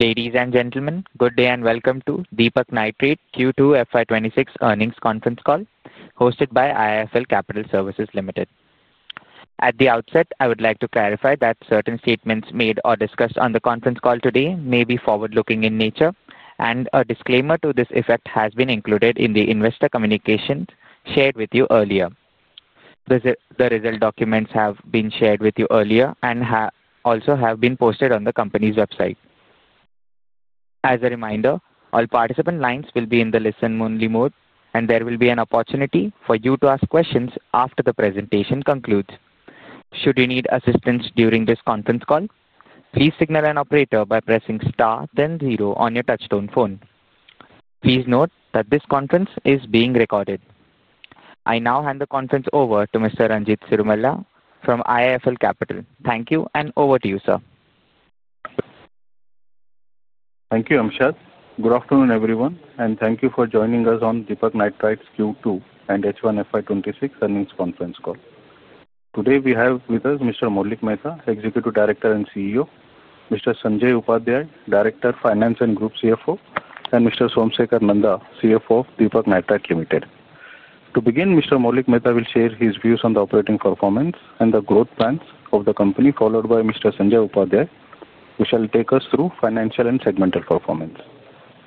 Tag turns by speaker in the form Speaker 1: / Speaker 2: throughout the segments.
Speaker 1: Ladies and gentlemen, good day and welcome to Deepak Nitrite Q2 FY2026 earnings conference call, hosted by IIFL Capital Services Limited. At the outset, I would like to clarify that certain statements made or discussed on the conference call today may be forward-looking in nature, and a disclaimer to this effect has been included in the investor communication shared with you earlier. The result documents have been shared with you earlier and also have been posted on the company's website. As a reminder, all participant lines will be in the listen-only mode, and there will be an opportunity for you to ask questions after the presentation concludes. Should you need assistance during this conference call, please signal an operator by pressing star, then zero on your touchstone phone. Please note that this conference is being recorded. I now hand the conference over to Mr. Ranjit Cirumalla from IIFL Capital. Thank you, and over to you, sir.
Speaker 2: Thank you, Amshad. Good afternoon, everyone, and thank you for joining us on Deepak Nitrite Q2 and H1 FY2026 earnings conference call. Today, we have with us Mr. Maulik Mehta, Executive Director and CEO, Mr. Sanjay Upadhyay, Director of Finance and Group CFO, and Mr. Somsekhar Nanda, CFO of Deepak Nitrite Limited. To begin, Mr. Maulik Mehta will share his views on the operating performance and the growth plans of the company, followed by Mr. Sanjay Upadhyay, who shall take us through financial and segmental performance.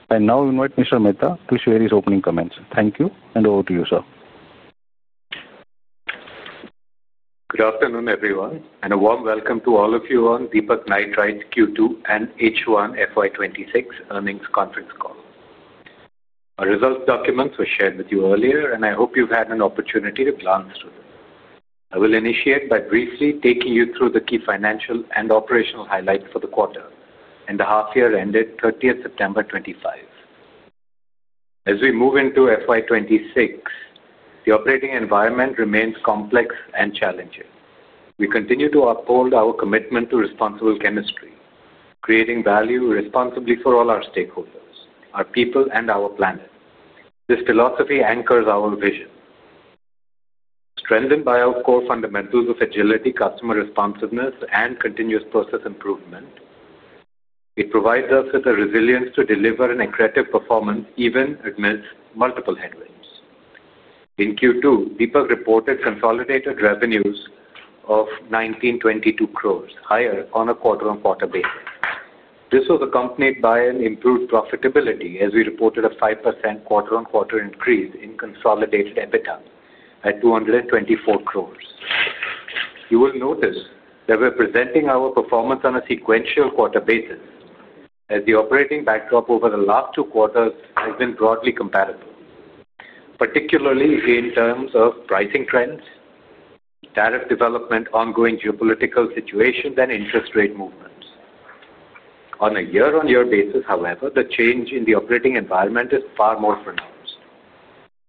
Speaker 2: I now invite Mr. Mehta to share his opening comments. Thank you, and over to you, sir.
Speaker 3: Good afternoon, everyone, and a warm welcome to all of you on Deepak Nitrite Q2 and H1 FY2026 earnings conference call. The result documents were shared with you earlier, and I hope you have had an opportunity to glance through them. I will initiate by briefly taking you through the key financial and operational highlights for the quarter, and the half-year ended 30th September 2025. As we move into FY2026, the operating environment remains complex and challenging. We continue to uphold our commitment to responsible chemistry, creating value responsibly for all our stakeholders, our people, and our planet. This philosophy anchors our vision. Strengthened by our core fundamentals of agility, customer responsiveness, and continuous process improvement, it provides us with the resilience to deliver an accretive performance even amidst multiple headwinds. In Q2, Deepak reported consolidated revenues of 1,922 crores, higher on a quarter-on-quarter basis. This was accompanied by an improved profitability, as we reported a 5% quarter-on-quarter increase in consolidated EBITDA at 224 crore. You will notice that we're presenting our performance on a sequential quarter basis, as the operating backdrop over the last two quarters has been broadly comparable, particularly in terms of pricing trends, tariff development, ongoing geopolitical situations, and interest rate movements. On a year-on-year basis, however, the change in the operating environment is far more pronounced,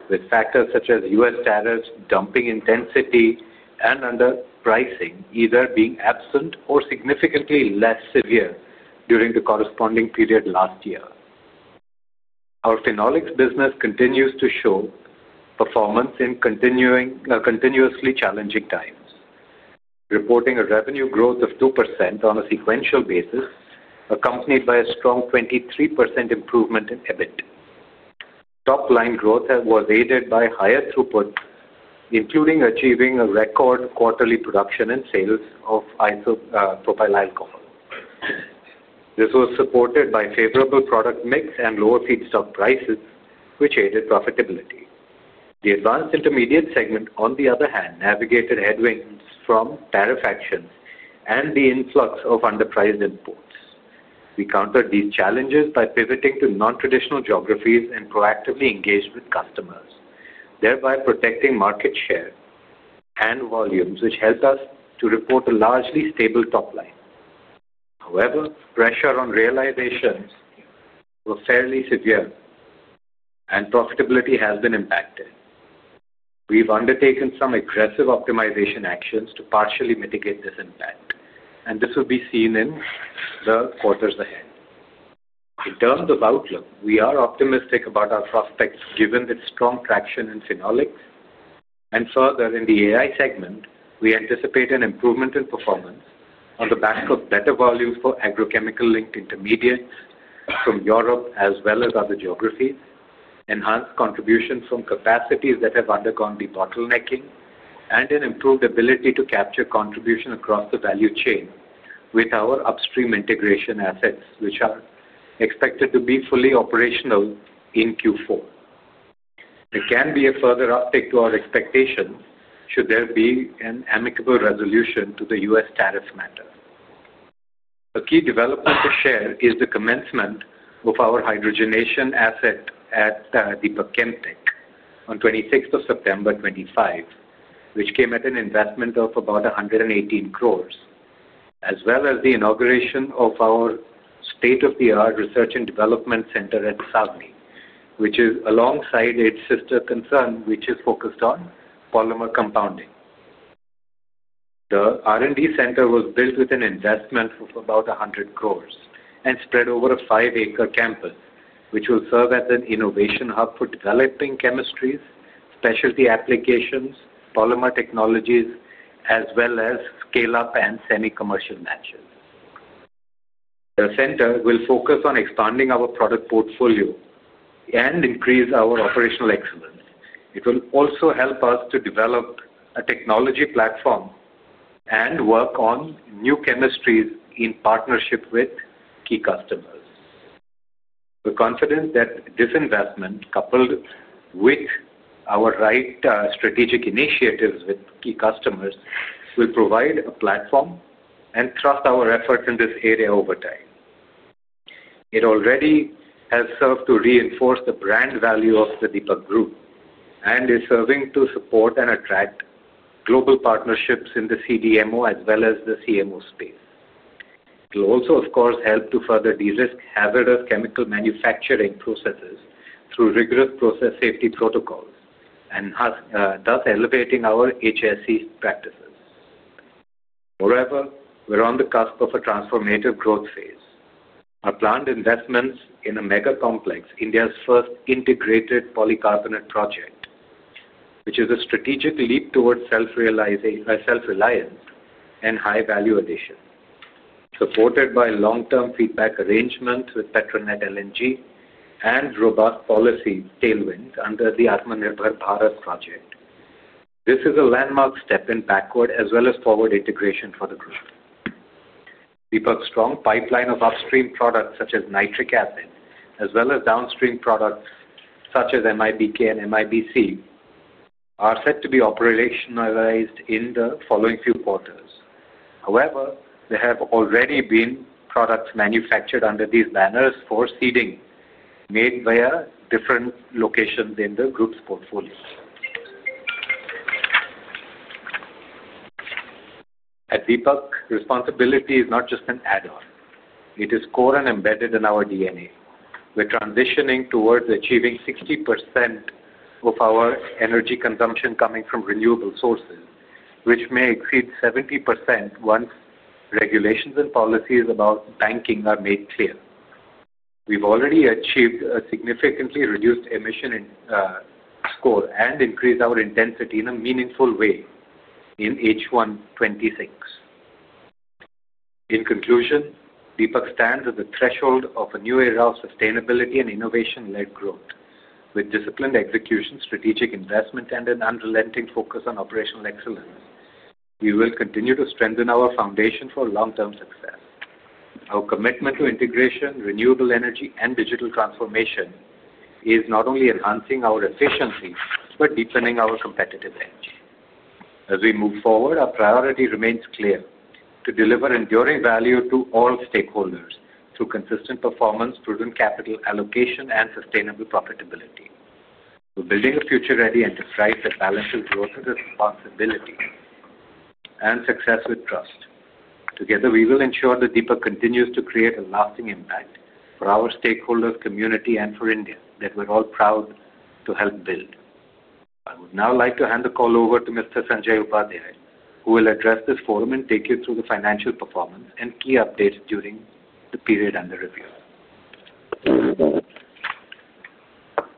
Speaker 3: with factors such as U.S. tariffs, dumping intensity, and underpricing either being absent or significantly less severe during the corresponding period last year. Our phenolic business continues to show performance in continuously challenging times, reporting a revenue growth of 2% on a sequential basis, accompanied by a strong 23% improvement in EBIT. Top-line growth was aided by higher throughput, including achieving a record quarterly production and sales of isopropyl alcohol. This was supported by favorable product mix and lower feedstock prices, which aided profitability. The advanced intermediate segment, on the other hand, navigated headwinds from tariff actions and the influx of underpriced imports. We countered these challenges by pivoting to non-traditional geographies and proactively engaged with customers, thereby protecting market share and volumes, which helped us to report a largely stable top line. However, pressure on realizations was fairly severe, and profitability has been impacted. We've undertaken some aggressive optimization actions to partially mitigate this impact, and this will be seen in the quarters ahead. In terms of outlook, we are optimistic about our prospects, given the strong traction in phenolics. Further, in the AI segment, we anticipate an improvement in performance on the back of better volumes for agrochemical-linked intermediates from Europe as well as other geographies, enhanced contributions from capacities that have undergone the bottlenecking, and an improved ability to capture contribution across the value chain with our upstream integration assets, which are expected to be fully operational in Q4. There can be a further uptake to our expectations should there be an amicable resolution to the U.S. tariff matter. A key development to share is the commencement of our hydrogenation asset at Deepak Chem Tech on 26th September 2025, which came at an investment of about 118 crore, as well as the inauguration of our state-of-the-art research and development center at Savli, which is alongside its sister concern, which is focused on polymer compounding. The R&D center was built with an investment of about 100 crore and spread over a five-acre campus, which will serve as an innovation hub for developing chemistries, specialty applications, polymer technologies, as well as scale-up and semi-commercial matches. The center will focus on expanding our product portfolio and increase our operational excellence. It will also help us to develop a technology platform and work on new chemistries in partnership with key customers. We're confident that this investment, coupled with our right strategic initiatives with key customers, will provide a platform and thrust our efforts in this area over time. It already has served to reinforce the brand value of the Deepak Group and is serving to support and attract global partnerships in the CDMO as well as the CMO space. It will also, of course, help to further de-risk hazardous chemical manufacturing processes through rigorous process safety protocols and thus elevating our HSE practices. Moreover, we're on the cusp of a transformative growth phase. Our planned investments in a mega complex, India's first integrated polycarbonate project, which is a strategic leap towards self-reliance and high value addition, supported by long-term feedstock arrangements with Petronet LNG and robust policy tailwinds under the Atmanirbhar Bharat project. This is a landmark step in backward as well as forward integration for the group. Deepak's strong pipeline of upstream products such as nitric acid, as well as downstream products such as MIBK and MIBC, are set to be operationalized in the following few quarters. However, there have already been products manufactured under these banners for seeding made via different locations in the group's portfolio. At Deepak, responsibility is not just an add-on. It is core and embedded in our DNA. We're transitioning towards achieving 60% of our energy consumption coming from renewable sources, which may exceed 70% once regulations and policies about banking are made clear. We've already achieved a significantly reduced emission score and increased our intensity in a meaningful way in H1 2026. In conclusion, Deepak stands at the threshold of a new era of sustainability and innovation-led growth. With disciplined execution, strategic investment, and an unrelenting focus on operational excellence, we will continue to strengthen our foundation for long-term success. Our commitment to integration, renewable energy, and digital transformation is not only enhancing our efficiency but deepening our competitive edge. As we move forward, our priority remains clear: to deliver enduring value to all stakeholders through consistent performance, prudent capital allocation, and sustainable profitability. We're building a future-ready enterprise that balances growth with responsibility and success with trust. Together, we will ensure that Deepak continues to create a lasting impact for our stakeholders, community, and for India that we're all proud to help build. I would now like to hand the call over to Mr. Sanjay Upadhyay, who will address this forum and take you through the financial performance and key updates during the period under review.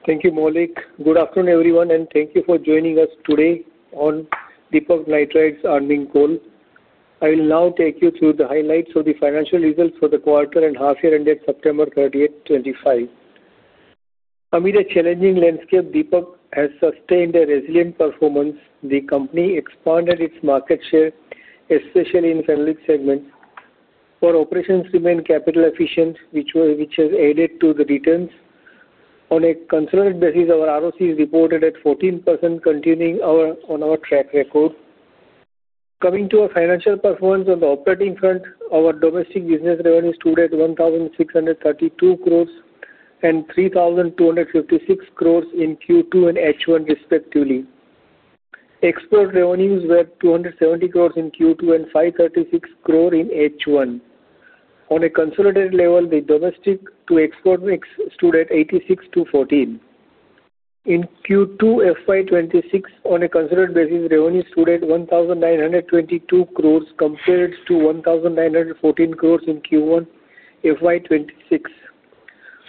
Speaker 4: Thank you, Maulik. Good afternoon, everyone, and thank you for joining us today on Deepak Nitrite's earning call. I will now take you through the highlights of the financial results for the quarter and half-year ended September 30th, 2025. Amid a challenging landscape, Deepak has sustained a resilient performance. The company expanded its market share, especially in phenolic segments. Our operations remain capital efficient, which has added to the returns. On a consolidated basis, our ROC is reported at 14%, continuing on our track record. Coming to our financial performance on the operating front, our domestic business revenues stood at 1,632 crore and 3,256 crore in Q2 and H1, respectively. Export revenues were 270 crore in Q2 and 536 crore in H1. On a consolidated level, the domestic-to-export mix stood at 86-14. In Q2 FY2026, on a consolidated basis, revenues stood at 1,922 crores compared to 1,914 crores in Q1 FY2026,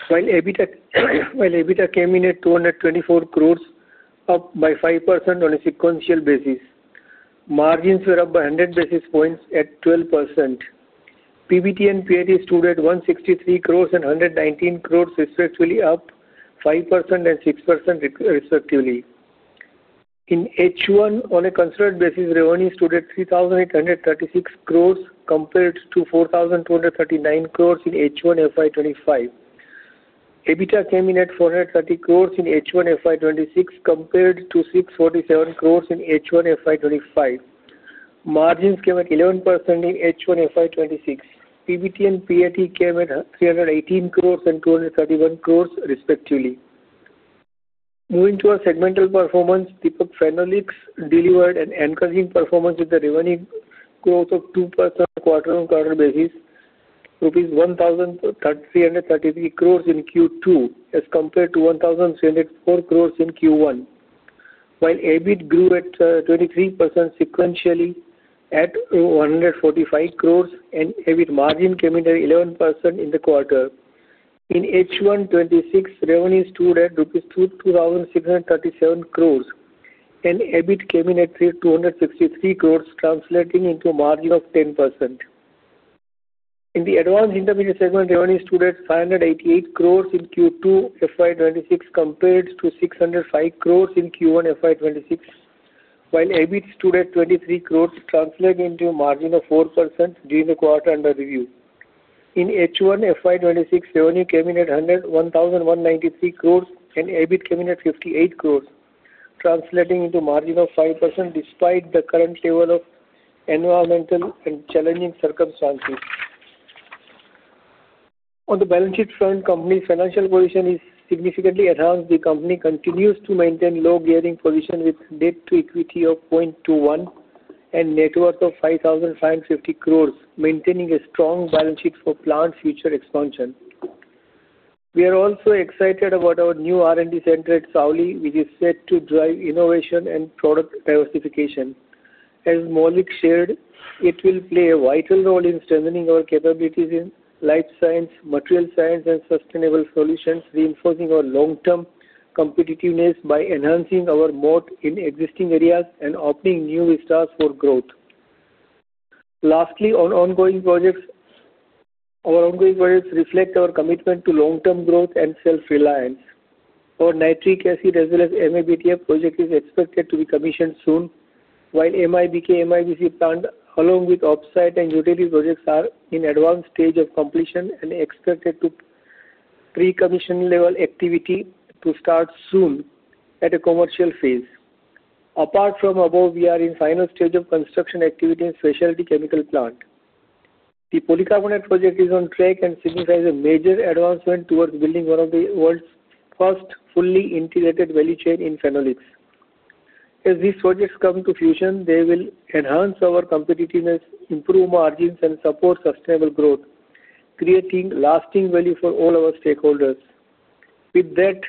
Speaker 4: while EBITDA came in at 224 crores, up by 5% on a sequential basis. Margins were up by 100 basis points at 12%. PBT and PIT stood at 163 crores and 119 crores, respectively, up 5% and 6%, respectively. In H1, on a consolidated basis, revenues stood at 3,836 crores compared to 4,239 crores in H1 FY2025. EBITDA came in at 430 crores in H1 FY2026 compared to 647 crores in H1 FY2025. Margins came at 11% in H1 FY2026. PBT and PIT came at 318 crores and 231 crores, respectively. Moving to our segmental performance, Deepak Phenolics delivered an encouraging performance with a revenue growth of 2% on a quarter-on-quarter basis, rupees 1,333 crores in Q2 as compared to 1,304 crores in Q1, while EBIT grew at 23% sequentially at 145 crores, and EBIT margin came in at 11% in the quarter. In H1 2026, revenues stood at rupees 2,637 crores, and EBIT came in at 263 crores, translating into a margin of 10%. In the advanced intermediate segment, revenues stood at 588 crores in Q2 FY2026 compared to 605 crores in Q1 FY2026, while EBIT stood at 23 crores, translating into a margin of 4% during the quarter under review. In H1 FY2026, revenue came in at INR 1,193 crores and EBIT came in at INR 58 crores, translating into a margin of 5% despite the current level of environmental and challenging circumstances. On the balance sheet front, the company's financial position is significantly advanced. The company continues to maintain a low-gearing position with a debt-to-equity of 0.21 and a net worth of 5,550 crore, maintaining a strong balance sheet for planned future expansion. We are also excited about our new R&D center at Savli, which is set to drive innovation and product diversification. As Maulik shared, it will play a vital role in strengthening our capabilities in life science, material science, and sustainable solutions, reinforcing our long-term competitiveness by enhancing our moat in existing areas and opening new windows for growth. Lastly, our ongoing projects reflect our commitment to long-term growth and self-reliance. Our nitric acid as well as MIBK project is expected to be commissioned soon, while MIBK, MIBC plant, along with offsite and utility projects, are in the advanced stage of completion and expected to pre-commission-level activity to start soon at a commercial phase. Apart from above, we are in the final stage of construction activity in Specialty Chemical Plant. The polycarbonate project is on track and signifies a major advancement towards building one of the world's first fully integrated value chains in phenolics. As these projects come to fruition, they will enhance our competitiveness, improve margins, and support sustainable growth, creating lasting value for all our stakeholders. With that,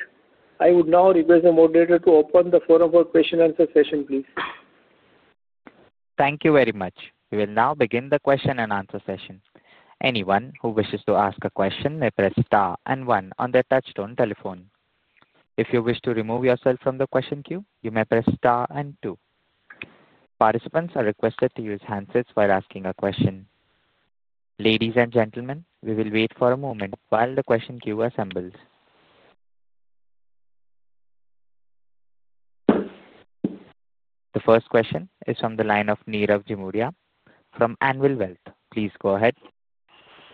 Speaker 4: I would now request the moderator to open the forum for question-and-answer session, please.
Speaker 1: Thank you very much. We will now begin the question-and-answer session. Anyone who wishes to ask a question may press star and one on their touchstone telephone. If you wish to remove yourself from the question queue, you may press star and two. Participants are requested to use handsets while asking a question. Ladies and gentlemen, we will wait for a moment while the question queue assembles. The first question is from the line of Nirav Jimudia from Anvil Wealth. Please go ahead.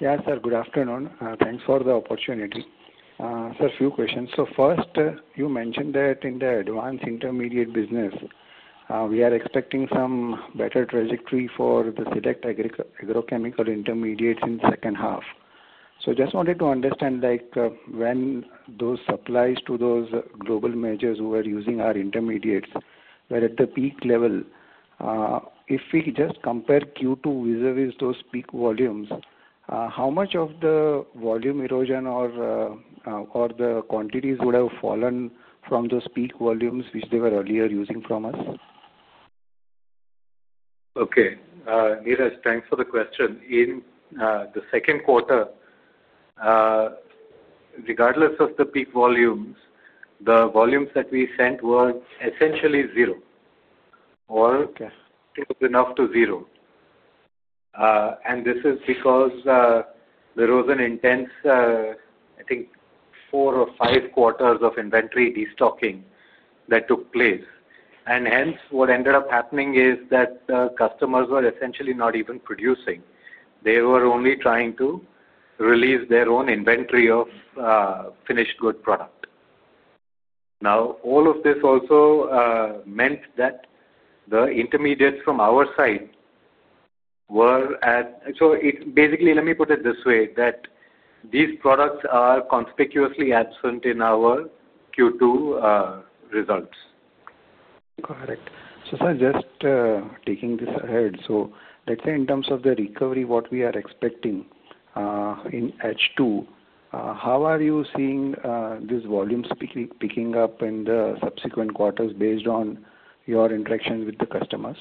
Speaker 5: Yes, sir. Good afternoon. Thanks for the opportunity. Sir, a few questions. First, you mentioned that in the advanced intermediate business, we are expecting some better trajectory for the select agrochemical intermediates in the second half. I just wanted to understand when those supplies to those global majors who are using our intermediates were at the peak level. If we just compare Q2 vis-à-vis those peak volumes, how much of the volume erosion or the quantities would have fallen from those peak volumes which they were earlier using from us?
Speaker 3: Okay. Nirav, thanks for the question. In the second quarter, regardless of the peak volumes, the volumes that we sent were essentially zero or close enough to zero. This is because there was an intense, I think, four or five quarters of inventory destocking that took place. Hence, what ended up happening is that customers were essentially not even producing. They were only trying to release their own inventory of finished good product. Now, all of this also meant that the intermediates from our side were at—so basically, let me put it this way—that these products are conspicuously absent in our Q2 results.
Speaker 5: Got it. Sir, just taking this ahead, in terms of the recovery, what we are expecting in H2, how are you seeing these volumes picking up in the subsequent quarters based on your interactions with the customers?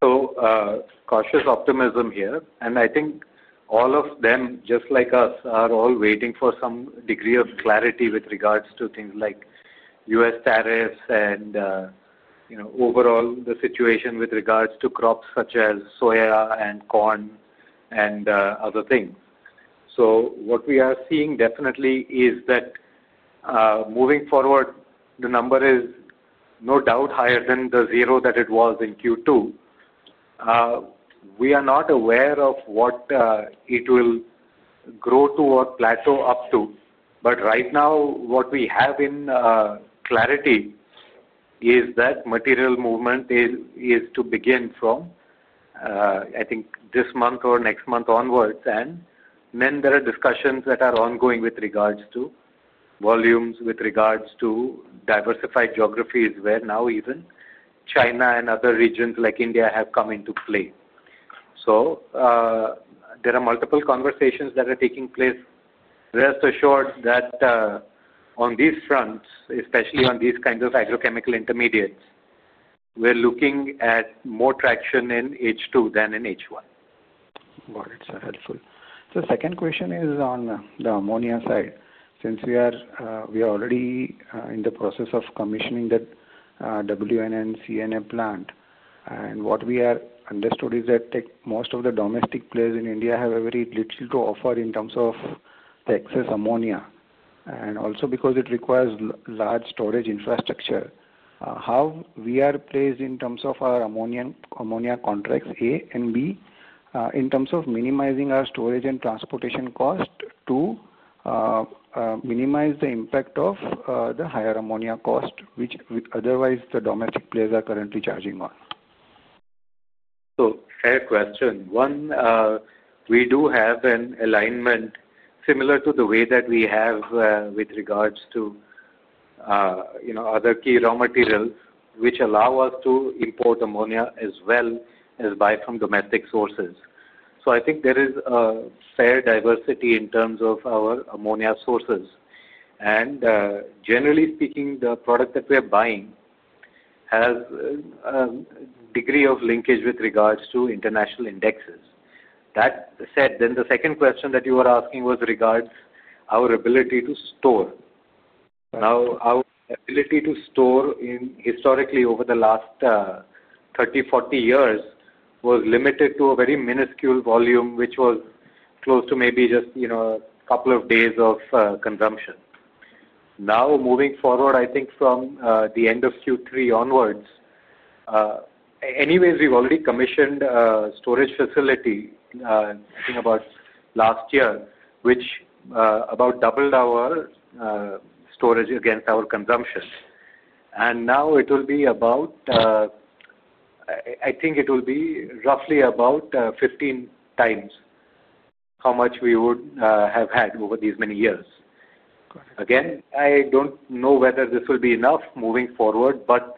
Speaker 3: Cautious optimism here. I think all of them, just like us, are all waiting for some degree of clarity with regards to things like U.S. tariffs and overall the situation with regards to crops such as soya and corn and other things. What we are seeing definitely is that moving forward, the number is no doubt higher than the zero that it was in Q2. We are not aware of what it will grow to or plateau up to. Right now, what we have in clarity is that material movement is to begin from, I think, this month or next month onwards. There are discussions that are ongoing with regards to volumes, with regards to diversified geographies where now even China and other regions like India have come into play. There are multiple conversations that are taking place. Rest assured that on these fronts, especially on these kinds of agrochemical intermediates, we're looking at more traction in H2 than in H1.
Speaker 5: Got it. So helpful. The second question is on the ammonia side. Since we are already in the process of commissioning the WNA CNA plant, and what we have understood is that most of the domestic players in India have very little to offer in terms of the excess ammonia. Also because it requires large storage infrastructure, how are we placed in terms of our ammonia contracts, A, and B, in terms of minimizing our storage and transportation cost, to minimize the impact of the higher ammonia cost, which otherwise the domestic players are currently charging on?
Speaker 3: Fair question. One, we do have an alignment similar to the way that we have with regards to other key raw materials, which allow us to import ammonia as well as buy from domestic sources. I think there is a fair diversity in terms of our ammonia sources. Generally speaking, the product that we are buying has a degree of linkage with regards to international indexes. That said, the second question that you were asking was regards our ability to store. Now, our ability to store historically over the last 30-40 years was limited to a very minuscule volume, which was close to maybe just a couple of days of consumption. Moving forward, I think from the end of Q3 onwards, we have already commissioned a storage facility about last year, which about doubled our storage against our consumption. It will be about, I think it will be roughly about 15 times how much we would have had over these many years. Again, I do not know whether this will be enough moving forward, but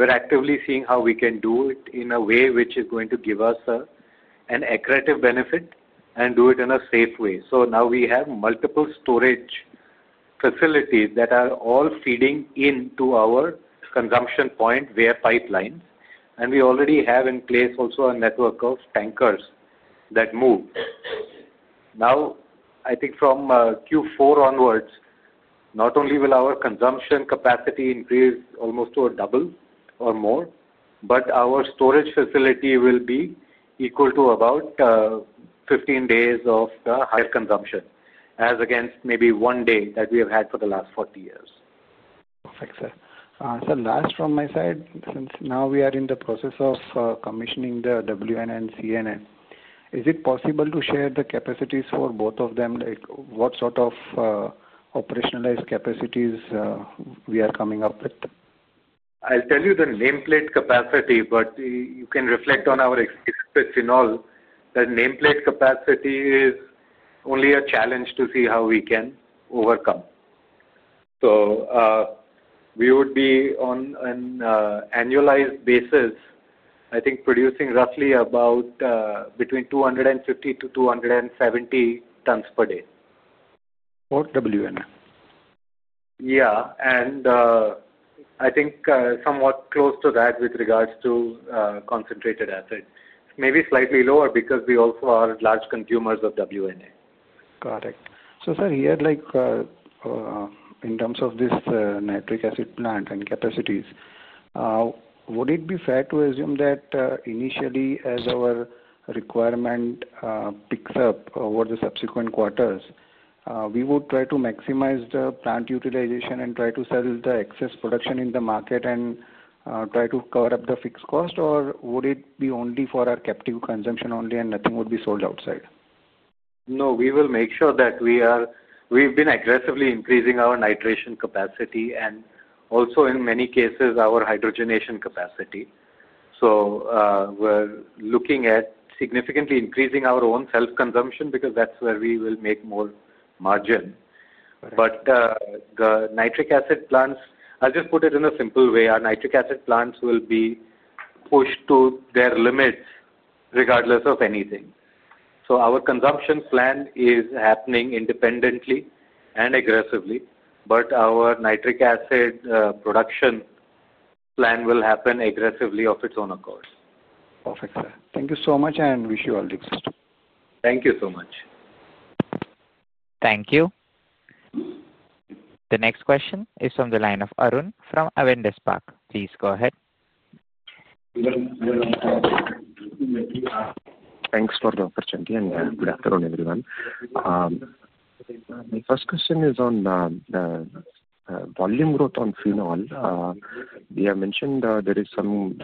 Speaker 3: we are actively seeing how we can do it in a way which is going to give us an accurate benefit and do it in a safe way. Now we have multiple storage facilities that are all feeding into our consumption point via pipelines. We already have in place also a network of tankers that move. I think from Q4 onwards, not only will our consumption capacity increase almost to a double or more, but our storage facility will be equal to about 15 days of higher consumption as against maybe one day that we have had for the last 40 years.
Speaker 5: Perfect, sir. Last from my side, since now we are in the process of commissioning the WNA, CNA, is it possible to share the capacities for both of them? What sort of operationalized capacities we are coming up with?
Speaker 3: I'll tell you the nameplate capacity, but you can reflect on our experience with Sinol. The nameplate capacity is only a challenge to see how we can overcome. We would be on an annualized basis, I think, producing roughly about between 250 to 270 tons per day.
Speaker 5: For WNA?
Speaker 3: Yeah. I think somewhat close to that with regards to concentrated acid. Maybe slightly lower because we also are large consumers of WNA.
Speaker 5: Got it. Sir, here in terms of this nitric acid plant and capacities, would it be fair to assume that initially as our requirement picks up over the subsequent quarters, we would try to maximize the plant utilization and try to sell the excess production in the market and try to cover up the fixed cost, or would it be only for our captive consumption only and nothing would be sold outside?
Speaker 3: No, we will make sure that we've been aggressively increasing our nitration capacity and also in many cases our hydrogenation capacity. We are looking at significantly increasing our own self-consumption because that's where we will make more margin. The nitric acid plants, I'll just put it in a simple way, our nitric acid plants will be pushed to their limits regardless of anything. Our consumption plan is happening independently and aggressively, but our nitric acid production plan will happen aggressively of its own accord.
Speaker 5: Perfect, sir. Thank you so much and wish you all the best.
Speaker 3: Thank you so much.
Speaker 1: Thank you. The next question is from the line of Arun from Arvind The Park. Please go ahead. Thanks for the opportunity and good afternoon, everyone. My first question is on the volume growth on phenol. We have mentioned there is some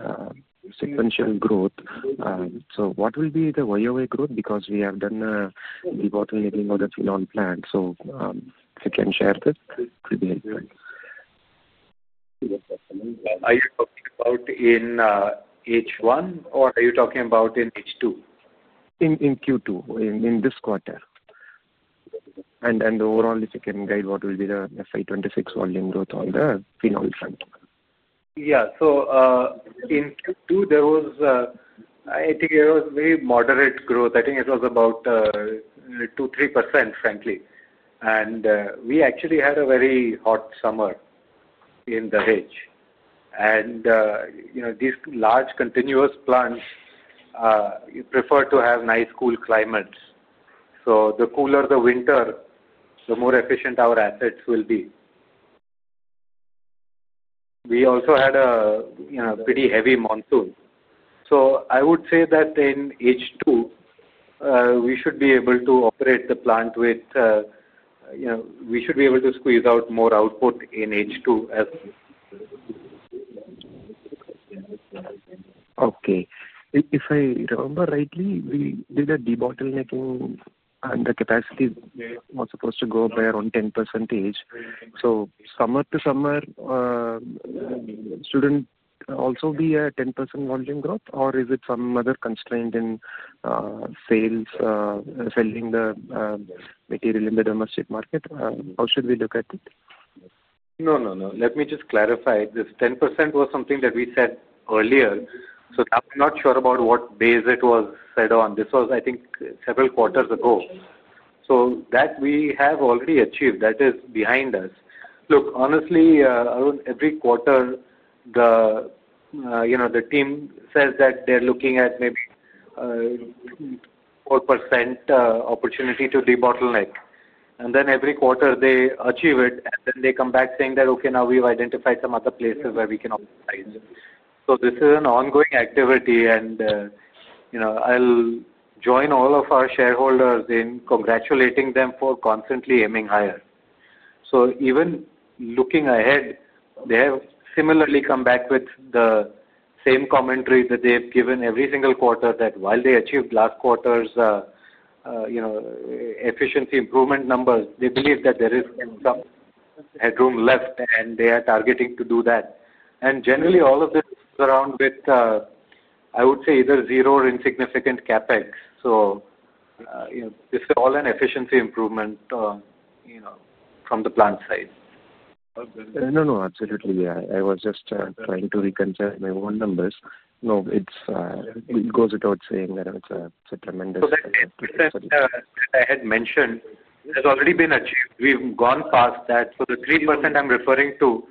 Speaker 1: sequential growth. What will be the year-on-year growth? Because we have done the bottlenecking of the phenol plant. If you can share this, it will be helpful.
Speaker 3: Are you talking about in H1 or are you talking about in H2? In Q2, in this quarter. Overall, if you can guide what will be the FY 2026 volume growth on the phenol front. Yeah. In Q2, I think there was very moderate growth. I think it was about 2%-3%, frankly. We actually had a very hot summer in Dahej. These large continuous plants prefer to have nice cool climates. The cooler the winter, the more efficient our assets will be. We also had a pretty heavy monsoon. I would say that in H2, we should be able to operate the plant, we should be able to squeeze out more output in H2. Okay. If I remember rightly, we did a de-bottlenecking and the capacity was supposed to go by around 10%. So summer to summer, should not also be a 10% volume growth, or is it some other constraint in selling the material in the domestic market? How should we look at it? No, no, no. Let me just clarify. This 10% was something that we said earlier. I'm not sure about what base it was said on. This was, I think, several quarters ago. That we have already achieved. That is behind us. Look, honestly, Arun, every quarter, the team says that they're looking at maybe 4% opportunity to de-bottleneck. Then every quarter, they achieve it, and they come back saying that, "Okay, now we've identified some other places where we can optimize." This is an ongoing activity, and I'll join all of our shareholders in congratulating them for constantly aiming higher. Even looking ahead, they have similarly come back with the same commentary that they've given every single quarter that while they achieved last quarter's efficiency improvement numbers, they believe that there is some headroom left, and they are targeting to do that. All of this is around with, I would say, either zero or insignificant CapEx. This is all an efficiency improvement from the plant side. No, no, absolutely. I was just trying to reconsider my own numbers. No, it goes without saying that it's a tremendous effort. That I had mentioned, it has already been achieved. We've gone past that. The 3% I'm referring to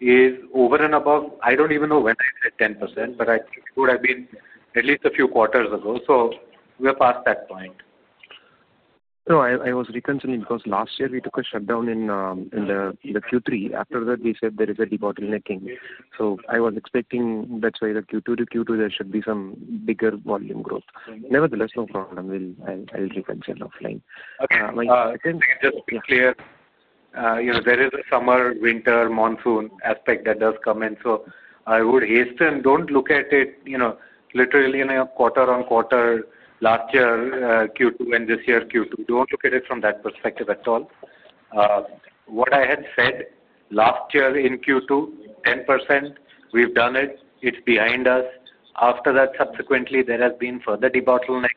Speaker 3: is over and above. I don't even know when I said 10%, but I think it would have been at least a few quarters ago. We are past that point. I was reconsidering because last year we took a shutdown in Q3. After that, we said there is a de-bottlenecking. I was expecting that's why Q2 to Q3, there should be some bigger volume growth. Nevertheless, no problem. I'll reconsider offline. Just to be clear, there is a summer, winter, monsoon aspect that does come in. I would hasten, don't look at it literally in a quarter-on-quarter last year, Q2, and this year, Q2. Don't look at it from that perspective at all. What I had said last year in Q2, 10%, we've done it. It's behind us. After that, subsequently, there has been further de-bottlenecking.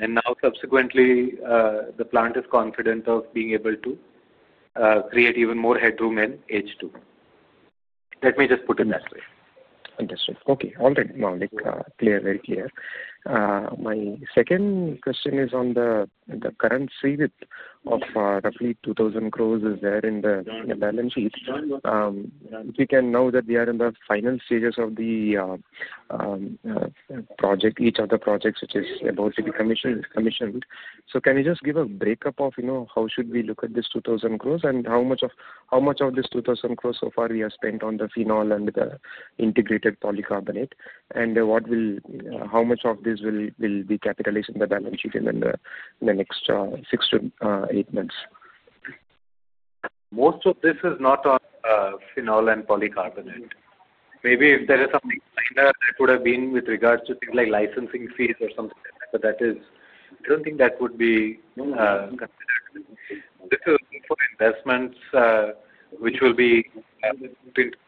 Speaker 3: Now, subsequently, the plant is confident of being able to create even more headroom in H2. Let me just put it that way. Understood. Okay. All right. Now, clear, very clear. My second question is on the current seed of roughly 2,000 crores is there in the balance sheet. We can know that we are in the final stages of the project, each of the projects, which is about to be commissioned. Can you just give a breakup of how should we look at this 2,000 crores and how much of this 2,000 crores so far we have spent on the Phenol and the integrated polycarbonate? And how much of this will be capitalized in the balance sheet in the next six to eight months? Most of this is not on Phenol and polycarbonate. Maybe if there is something minor that would have been with regards to things like licensing fees or something like that, but I do not think that would be considered. This is for investments, which will be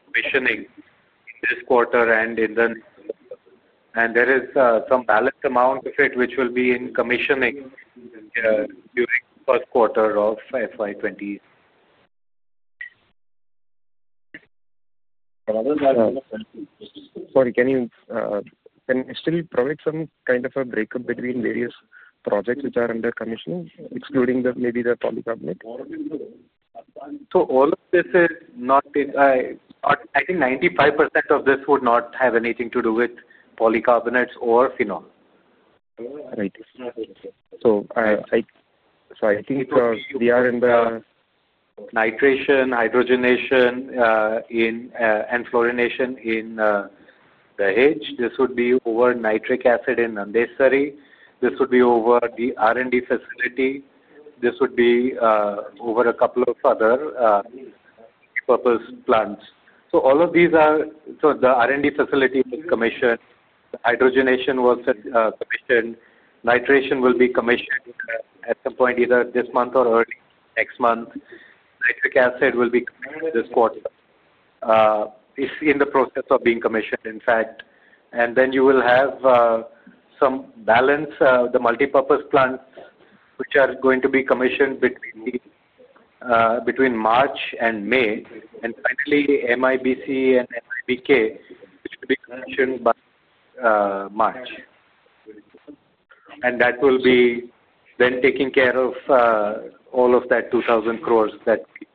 Speaker 3: commissioning this quarter and in the next quarter. There is some balanced amount of it, which will be in commissioning during the first quarter of FY2020. Sorry, can you still provide some kind of a breakup between various projects which are under commission, excluding maybe the polycarbonate? All of this is not, I think 95% of this would not have anything to do with polycarbonates or phenol. Right. I think we are in the nitration, hydrogenation, and fluorination in the Hage. This would be over nitric acid in Nandesari. This would be over the R&D facility. This would be over a couple of other purpose plants. All of these are, so the R&D facility was commissioned. The hydrogenation was commissioned. Nitration will be commissioned at some point either this month or early next month. Nitric acid will be commissioned this quarter. It is in the process of being commissioned, in fact. You will have some balance, the multipurpose plants, which are going to be commissioned between March and May. Finally, MIBC and MIBK, which will be commissioned by March. That will be then taking care of all of that 2,000 crore that we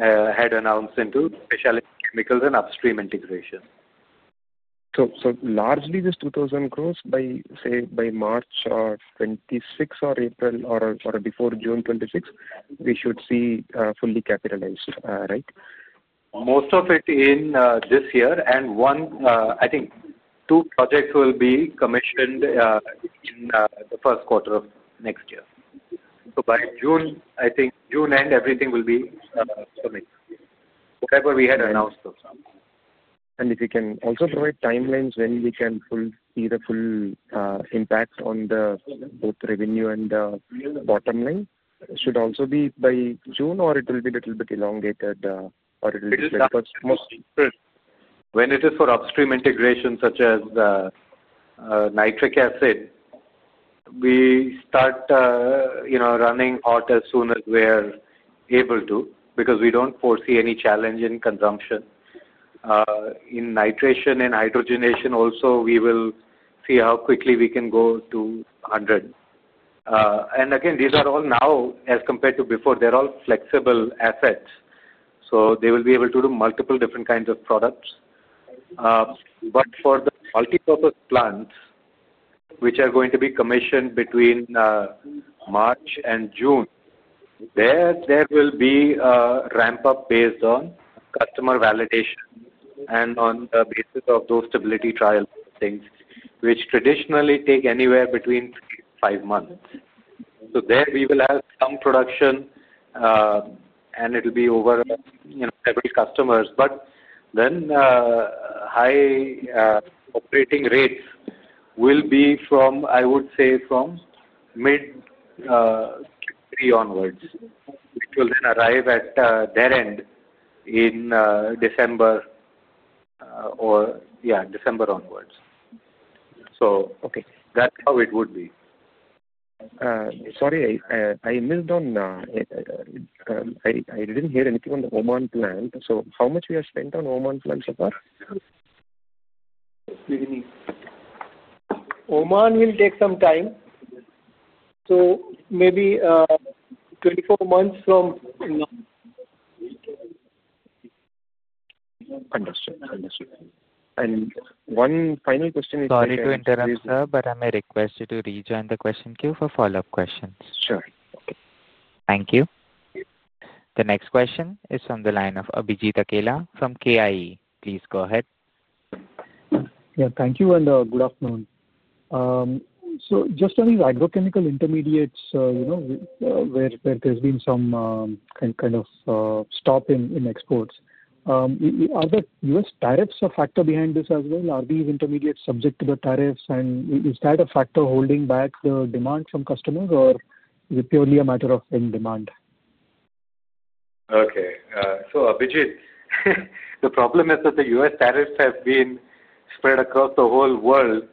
Speaker 3: had announced into specialized chemicals and upstream integration. So largely this 2,000 crores, say by March 2026 or April or before June 2026, we should see fully capitalized, right? Most of it in this year. I think two projects will be commissioned in the first quarter of next year. By June, I think June end, everything will be commissioned, whatever we had announced. If you can also provide timelines when we can see the full impact on both revenue and bottom line, it should also be by June, or it will be a little bit elongated, or it will be delayed? Good. When it is for upstream integration, such as nitric acid, we start running hot as soon as we are able to because we do not foresee any challenge in consumption. In nitration and hydrogenation also, we will see how quickly we can go to 100. These are all now, as compared to before, they are all flexible assets. They will be able to do multiple different kinds of products. For the multipurpose plants, which are going to be commissioned between March and June, there will be a ramp-up based on customer validation and on the basis of those stability trial things, which traditionally take anywhere between three to five months. There we will have some production, and it will be over every customer. High operating rates will be, I would say, from mid Q3 onwards. It will then arrive at their end in December or, yeah, December onwards. That's how it would be. Sorry, I missed on I didn't hear anything on the Oman plant. How much have we spent on the Oman plant so far?
Speaker 4: Oman will take some time. Maybe 24 months from now. Understood. Understood. One final question is there.
Speaker 1: Sorry to interrupt, sir, but I may request you to rejoin the question queue for follow-up questions. Sure. Okay. Thank you. The next question is from the line of Abhijit Akela from KIE. Please go ahead.
Speaker 6: Yeah, thank you and good afternoon. Just on these agrochemical intermediates where there's been some kind of stop in exports, are the U.S. tariffs a factor behind this as well? Are these intermediates subject to the tariffs? Is that a factor holding back the demand from customers, or is it purely a matter of end demand?
Speaker 3: Okay. Abhijit, the problem is that the U.S. tariffs have been spread across the whole world.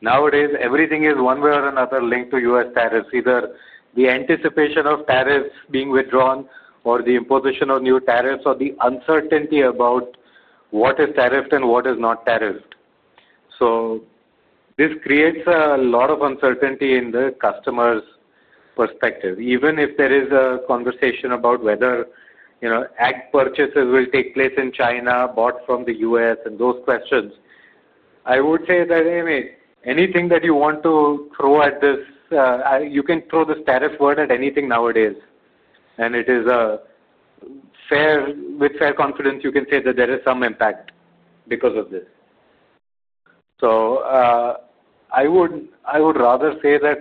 Speaker 3: Nowadays, everything is one way or another linked to U.S. tariffs, either the anticipation of tariffs being withdrawn or the imposition of new tariffs or the uncertainty about what is tariffed and what is not tariffed. This creates a lot of uncertainty in the customer's perspective. Even if there is a conversation about whether ag purchases will take place in China bought from the U.S. and those questions, I would say that anything that you want to throw at this, you can throw this tariff word at anything nowadays. With fair confidence, you can say that there is some impact because of this. I would rather say that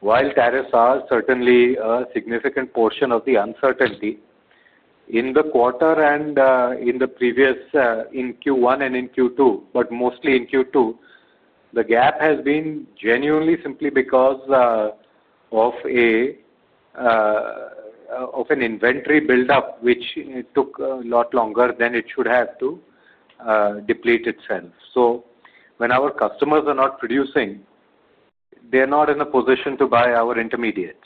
Speaker 3: while tariffs are certainly a significant portion of the uncertainty in the quarter and in the previous in Q1 and in Q2, but mostly in Q2, the gap has been genuinely simply because of an inventory buildup, which took a lot longer than it should have to deplete itself. When our customers are not producing, they're not in a position to buy our intermediates.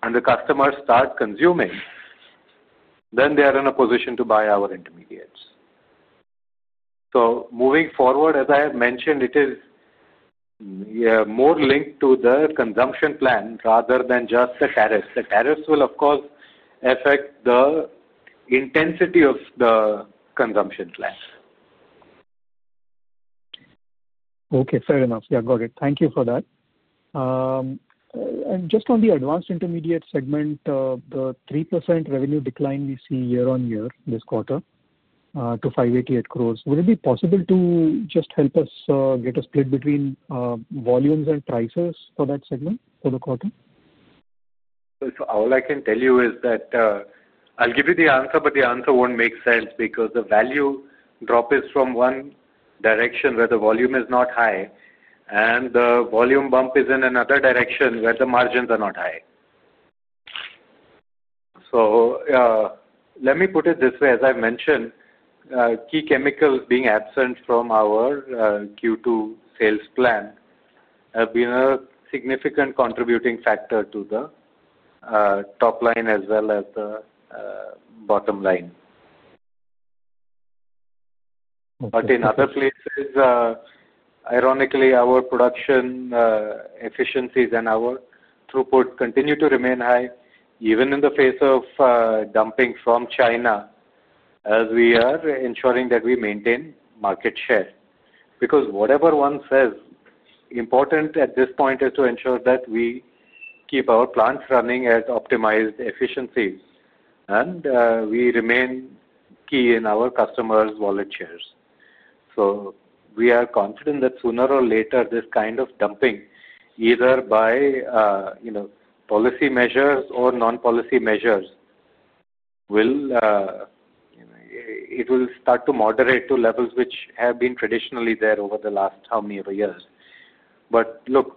Speaker 3: When the customers start consuming, then they are in a position to buy our intermediates. Moving forward, as I have mentioned, it is more linked to the consumption plan rather than just the tariffs. The tariffs will, of course, affect the intensity of the consumption plan.
Speaker 6: Okay. Fair enough. Yeah, got it. Thank you for that. Just on the advanced intermediate segment, the 3% revenue decline we see year-on-year this quarter to 588 crores, would it be possible to just help us get a split between volumes and prices for that segment for the quarter?
Speaker 3: All I can tell you is that I'll give you the answer, but the answer won't make sense because the value drop is from one direction where the volume is not high, and the volume bump is in another direction where the margins are not high. Let me put it this way. As I've mentioned, key chemicals being absent from our Q2 sales plan have been a significant contributing factor to the top line as well as the bottom line. In other places, ironically, our production efficiencies and our throughput continue to remain high, even in the face of dumping from China, as we are ensuring that we maintain market share. Whatever one says, important at this point is to ensure that we keep our plants running at optimized efficiencies, and we remain key in our customers' wallet shares. We are confident that sooner or later, this kind of dumping, either by policy measures or non-policy measures, will start to moderate to levels which have been traditionally there over the last how many years.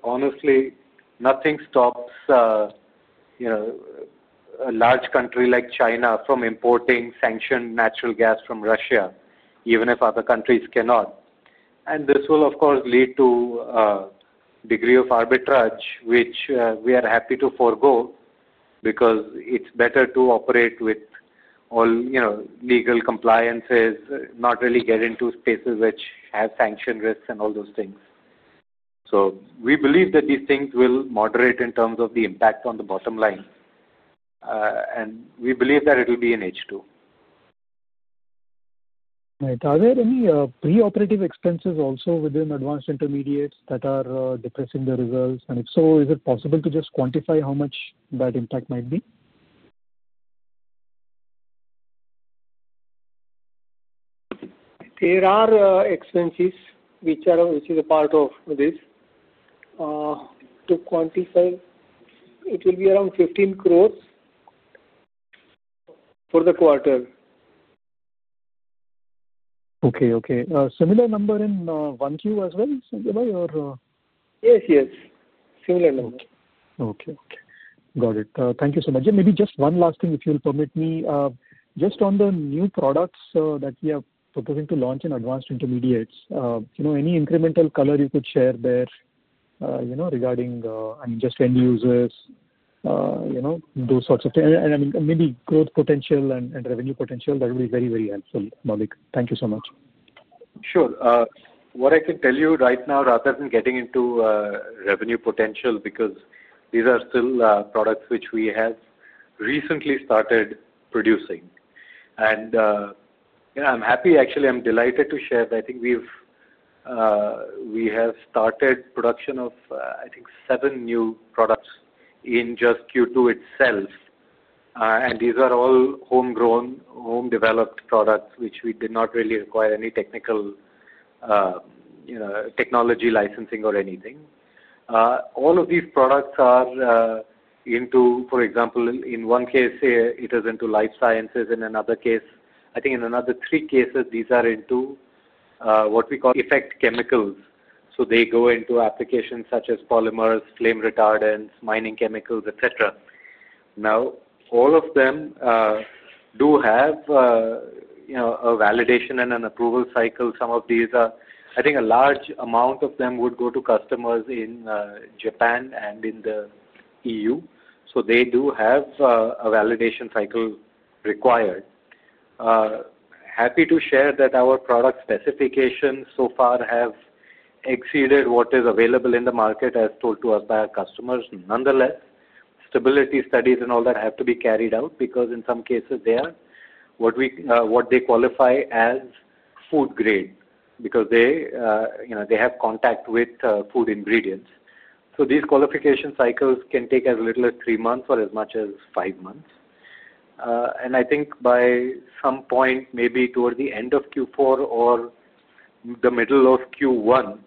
Speaker 3: Honestly, nothing stops a large country like China from importing sanctioned natural gas from Russia, even if other countries cannot. This will, of course, lead to a degree of arbitrage, which we are happy to forgo because it is better to operate with all legal compliances, not really get into spaces which have sanction risks and all those things. We believe that these things will moderate in terms of the impact on the bottom line. We believe that it will be in H2.
Speaker 6: Right. Are there any pre-operative expenses also within advanced intermediates that are depressing the results? If so, is it possible to just quantify how much that impact might be?
Speaker 3: There are expenses, which is a part of this. To quantify, it will be around 15 crores for the quarter.
Speaker 6: Okay. Okay. Similar number in 1Q as well, or?
Speaker 3: Yes, yes. Similar number.
Speaker 6: Okay. Okay. Got it. Thank you so much. Maybe just one last thing, if you'll permit me. Just on the new products that we are proposing to launch in advanced intermediates, any incremental color you could share there regarding just end users, those sorts of things? I mean, maybe growth potential and revenue potential, that would be very, very helpful, Maulik. Thank you so much.
Speaker 3: Sure. What I can tell you right now, rather than getting into revenue potential, because these are still products which we have recently started producing. I'm happy, actually. I'm delighted to share that I think we have started production of, I think, seven new products in just Q2 itself. These are all homegrown, home-developed products, which we did not really require any technical technology licensing or anything. All of these products are into, for example, in one case, it is into life sciences. In another case, I think in another three cases, these are into what we call effect chemicals. They go into applications such as polymers, flame retardants, mining chemicals, etc. Now, all of them do have a validation and an approval cycle. Some of these are, I think, a large amount of them would go to customers in Japan and in the EU. They do have a validation cycle required. Happy to share that our product specifications so far have exceeded what is available in the market as told to us by our customers. Nonetheless, stability studies and all that have to be carried out because in some cases, they are what they qualify as food-grade because they have contact with food ingredients. These qualification cycles can take as little as three months or as much as five months. I think by some point, maybe towards the end of Q4 or the middle of Q1,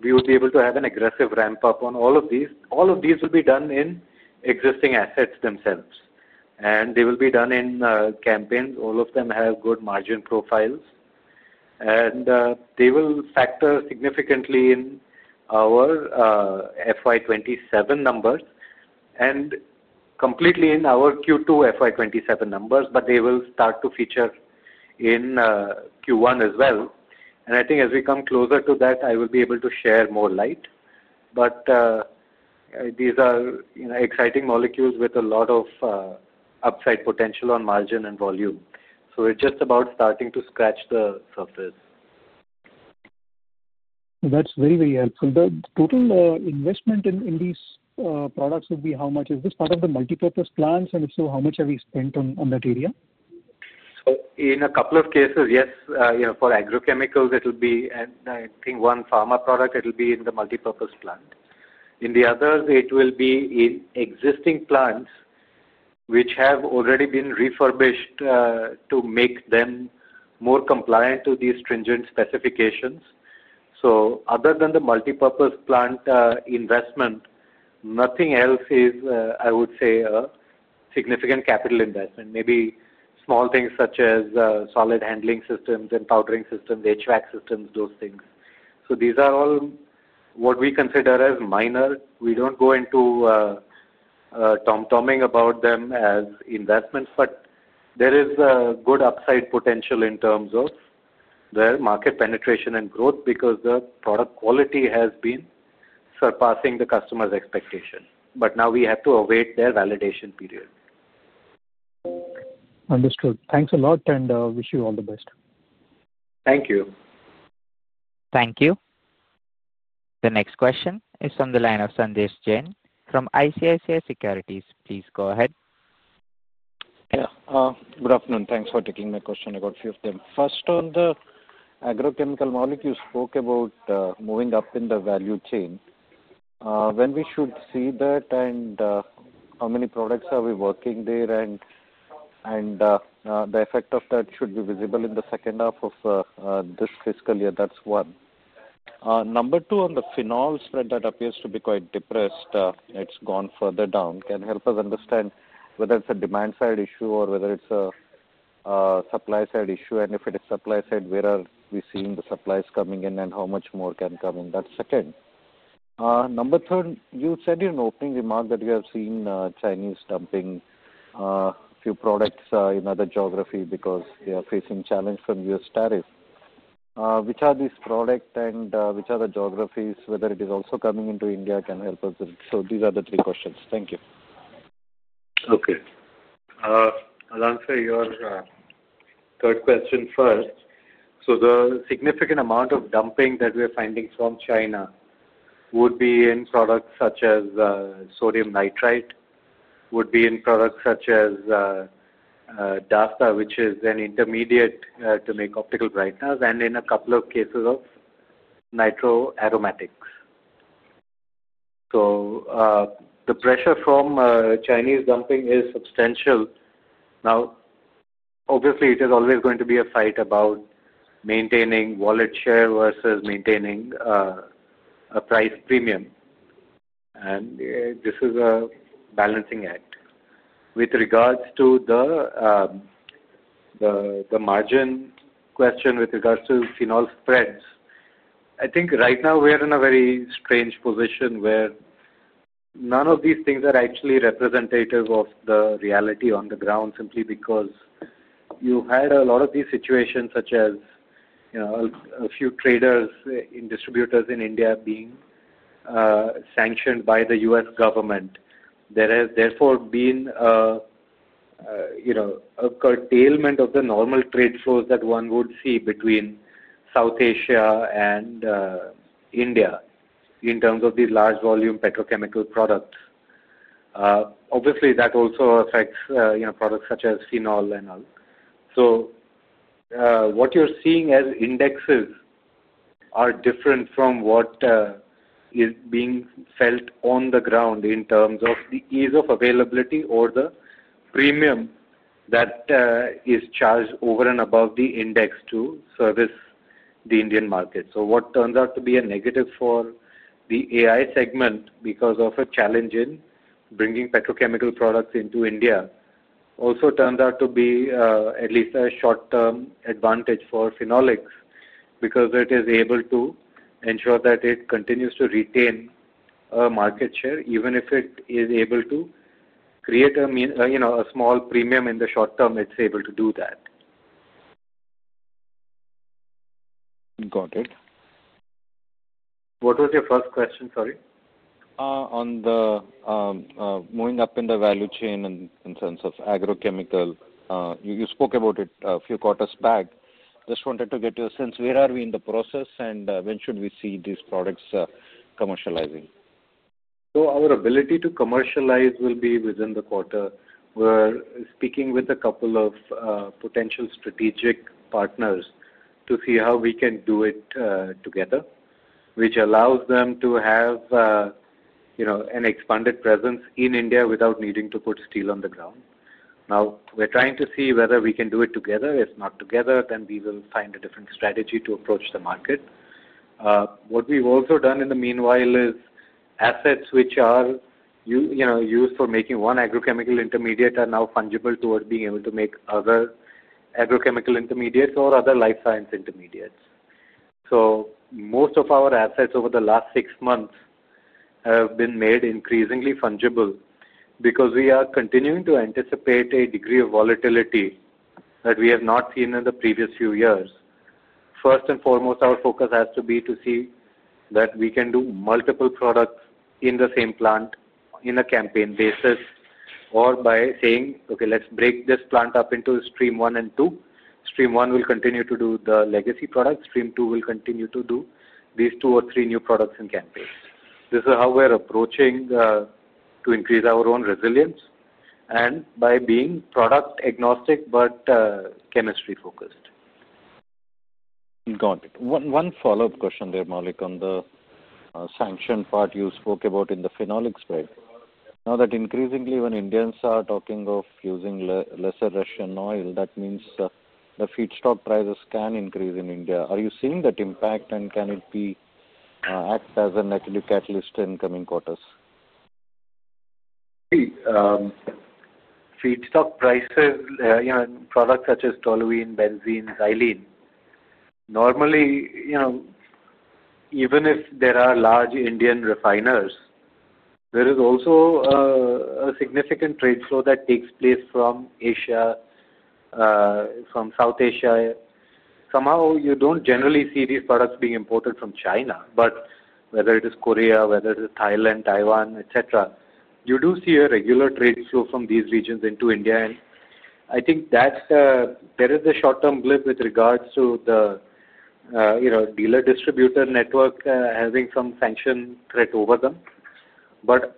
Speaker 3: we will be able to have an aggressive ramp-up on all of these. All of these will be done in existing assets themselves. They will be done in campaigns. All of them have good margin profiles. They will factor significantly in our FY2027 numbers and completely in our Q2 FY2027 numbers, but they will start to feature in Q1 as well. I think as we come closer to that, I will be able to share more light. These are exciting molecules with a lot of upside potential on margin and volume. We are just about starting to scratch the surface.
Speaker 6: That's very, very helpful. The total investment in these products would be how much? Is this part of the multipurpose plants? If so, how much have you spent on that area?
Speaker 3: In a couple of cases, yes. For agrochemicals, it will be, I think, one pharma product. It will be in the multipurpose plant. In the others, it will be in existing plants which have already been refurbished to make them more compliant to these stringent specifications. Other than the multipurpose plant investment, nothing else is, I would say, a significant capital investment. Maybe small things such as solid handling systems and powdering systems, HVAC systems, those things. These are all what we consider as minor. We do not go into tom-toming about them as investments, but there is good upside potential in terms of their market penetration and growth because the product quality has been surpassing the customer's expectation. Now we have to await their validation period.
Speaker 6: Understood. Thanks a lot and wish you all the best.
Speaker 3: Thank you.
Speaker 1: Thank you. The next question is from the line of Sanjesh Jain from ICICI Securities, please go ahead.
Speaker 7: Yeah. Good afternoon. Thanks for taking my question. I got a few of them. First, on the agrochemical molecules, spoke about moving up in the value chain. When we should see that and how many products are we working there and the effect of that should be visible in the second half of this fiscal year, that's one. Number two, on the phenol spread, that appears to be quite depressed. It's gone further down. Can help us understand whether it's a demand-side issue or whether it's a supply-side issue. If it is supply-side, where are we seeing the supplies coming in and how much more can come in? That's second. Number three, you said in opening remark that we have seen Chinese dumping a few products in other geographies because they are facing challenge from U.S. tariffs. Which are these products and which are the geographies? Whether it is also coming into India can help us. These are the three questions. Thank you.
Speaker 3: Okay. Sanjesh, your third question first. The significant amount of dumping that we are finding from China would be in products such as sodium nitrite, would be in products such as DASDA, which is an intermediate to make optical brighteners, and in a couple of cases of nitro aromatics. The pressure from Chinese dumping is substantial. Now, obviously, it is always going to be a fight about maintaining wallet share versus maintaining a price premium. This is a balancing act. With regards to the margin question, with regards to phenol spreads, I think right now we are in a very strange position where none of these things are actually representative of the reality on the ground simply because you had a lot of these situations such as a few traders and distributors in India being sanctioned by the U.S. government. There has therefore been a curtailment of the normal trade flows that one would see between South Asia and India in terms of these large volume petrochemical products. Obviously, that also affects products such as phenol and others. What you are seeing as indexes are different from what is being felt on the ground in terms of the ease of availability or the premium that is charged over and above the index to service the Indian market. What turns out to be a negative for the AI segment because of a challenge in bringing petrochemical products into India also turns out to be at least a short-term advantage for phenolics because it is able to ensure that it continues to retain a market share even if it is able to create a small premium in the short term, it is able to do that.
Speaker 7: Got it.
Speaker 3: What was your first question? Sorry.
Speaker 7: On the moving up in the value chain in terms of agrochemical, you spoke about it a few quarters back. Just wanted to get your sense. Where are we in the process, and when should we see these products commercializing?
Speaker 3: Our ability to commercialize will be within the quarter. We're speaking with a couple of potential strategic partners to see how we can do it together, which allows them to have an expanded presence in India without needing to put steel on the ground. Now, we're trying to see whether we can do it together. If not together, then we will find a different strategy to approach the market. What we've also done in the meanwhile is assets which are used for making one agrochemical intermediate are now fungible towards being able to make other agrochemical intermediates or other life science intermediates. Most of our assets over the last six months have been made increasingly fungible because we are continuing to anticipate a degree of volatility that we have not seen in the previous few years. First and foremost, our focus has to be to see that we can do multiple products in the same plant in a campaign basis or by saying, "Okay, let's break this plant up into stream one and two. Stream one will continue to do the legacy products. Stream two will continue to do these two or three new products in campaigns." This is how we're approaching to increase our own resilience and by being product-agnostic but chemistry-focused.
Speaker 7: Got it. One follow-up question there, Maulik, on the sanction part you spoke about in the phenolic spread. Now that increasingly when Indians are talking of using lesser Russian oil, that means the feedstock prices can increase in India. Are you seeing that impact, and can it act as a negative catalyst in coming quarters?
Speaker 3: Okay. Feedstock prices in products such as toluene, benzene, xylene. Normally, even if there are large Indian refiners, there is also a significant trade flow that takes place from Asia, from South Asia. Somehow, you do not generally see these products being imported from China, but whether it is Korea, whether it is Thailand, Taiwan, etc., you do see a regular trade flow from these regions into India. I think there is a short-term blip with regards to the dealer-distributor network having some sanction threat over them.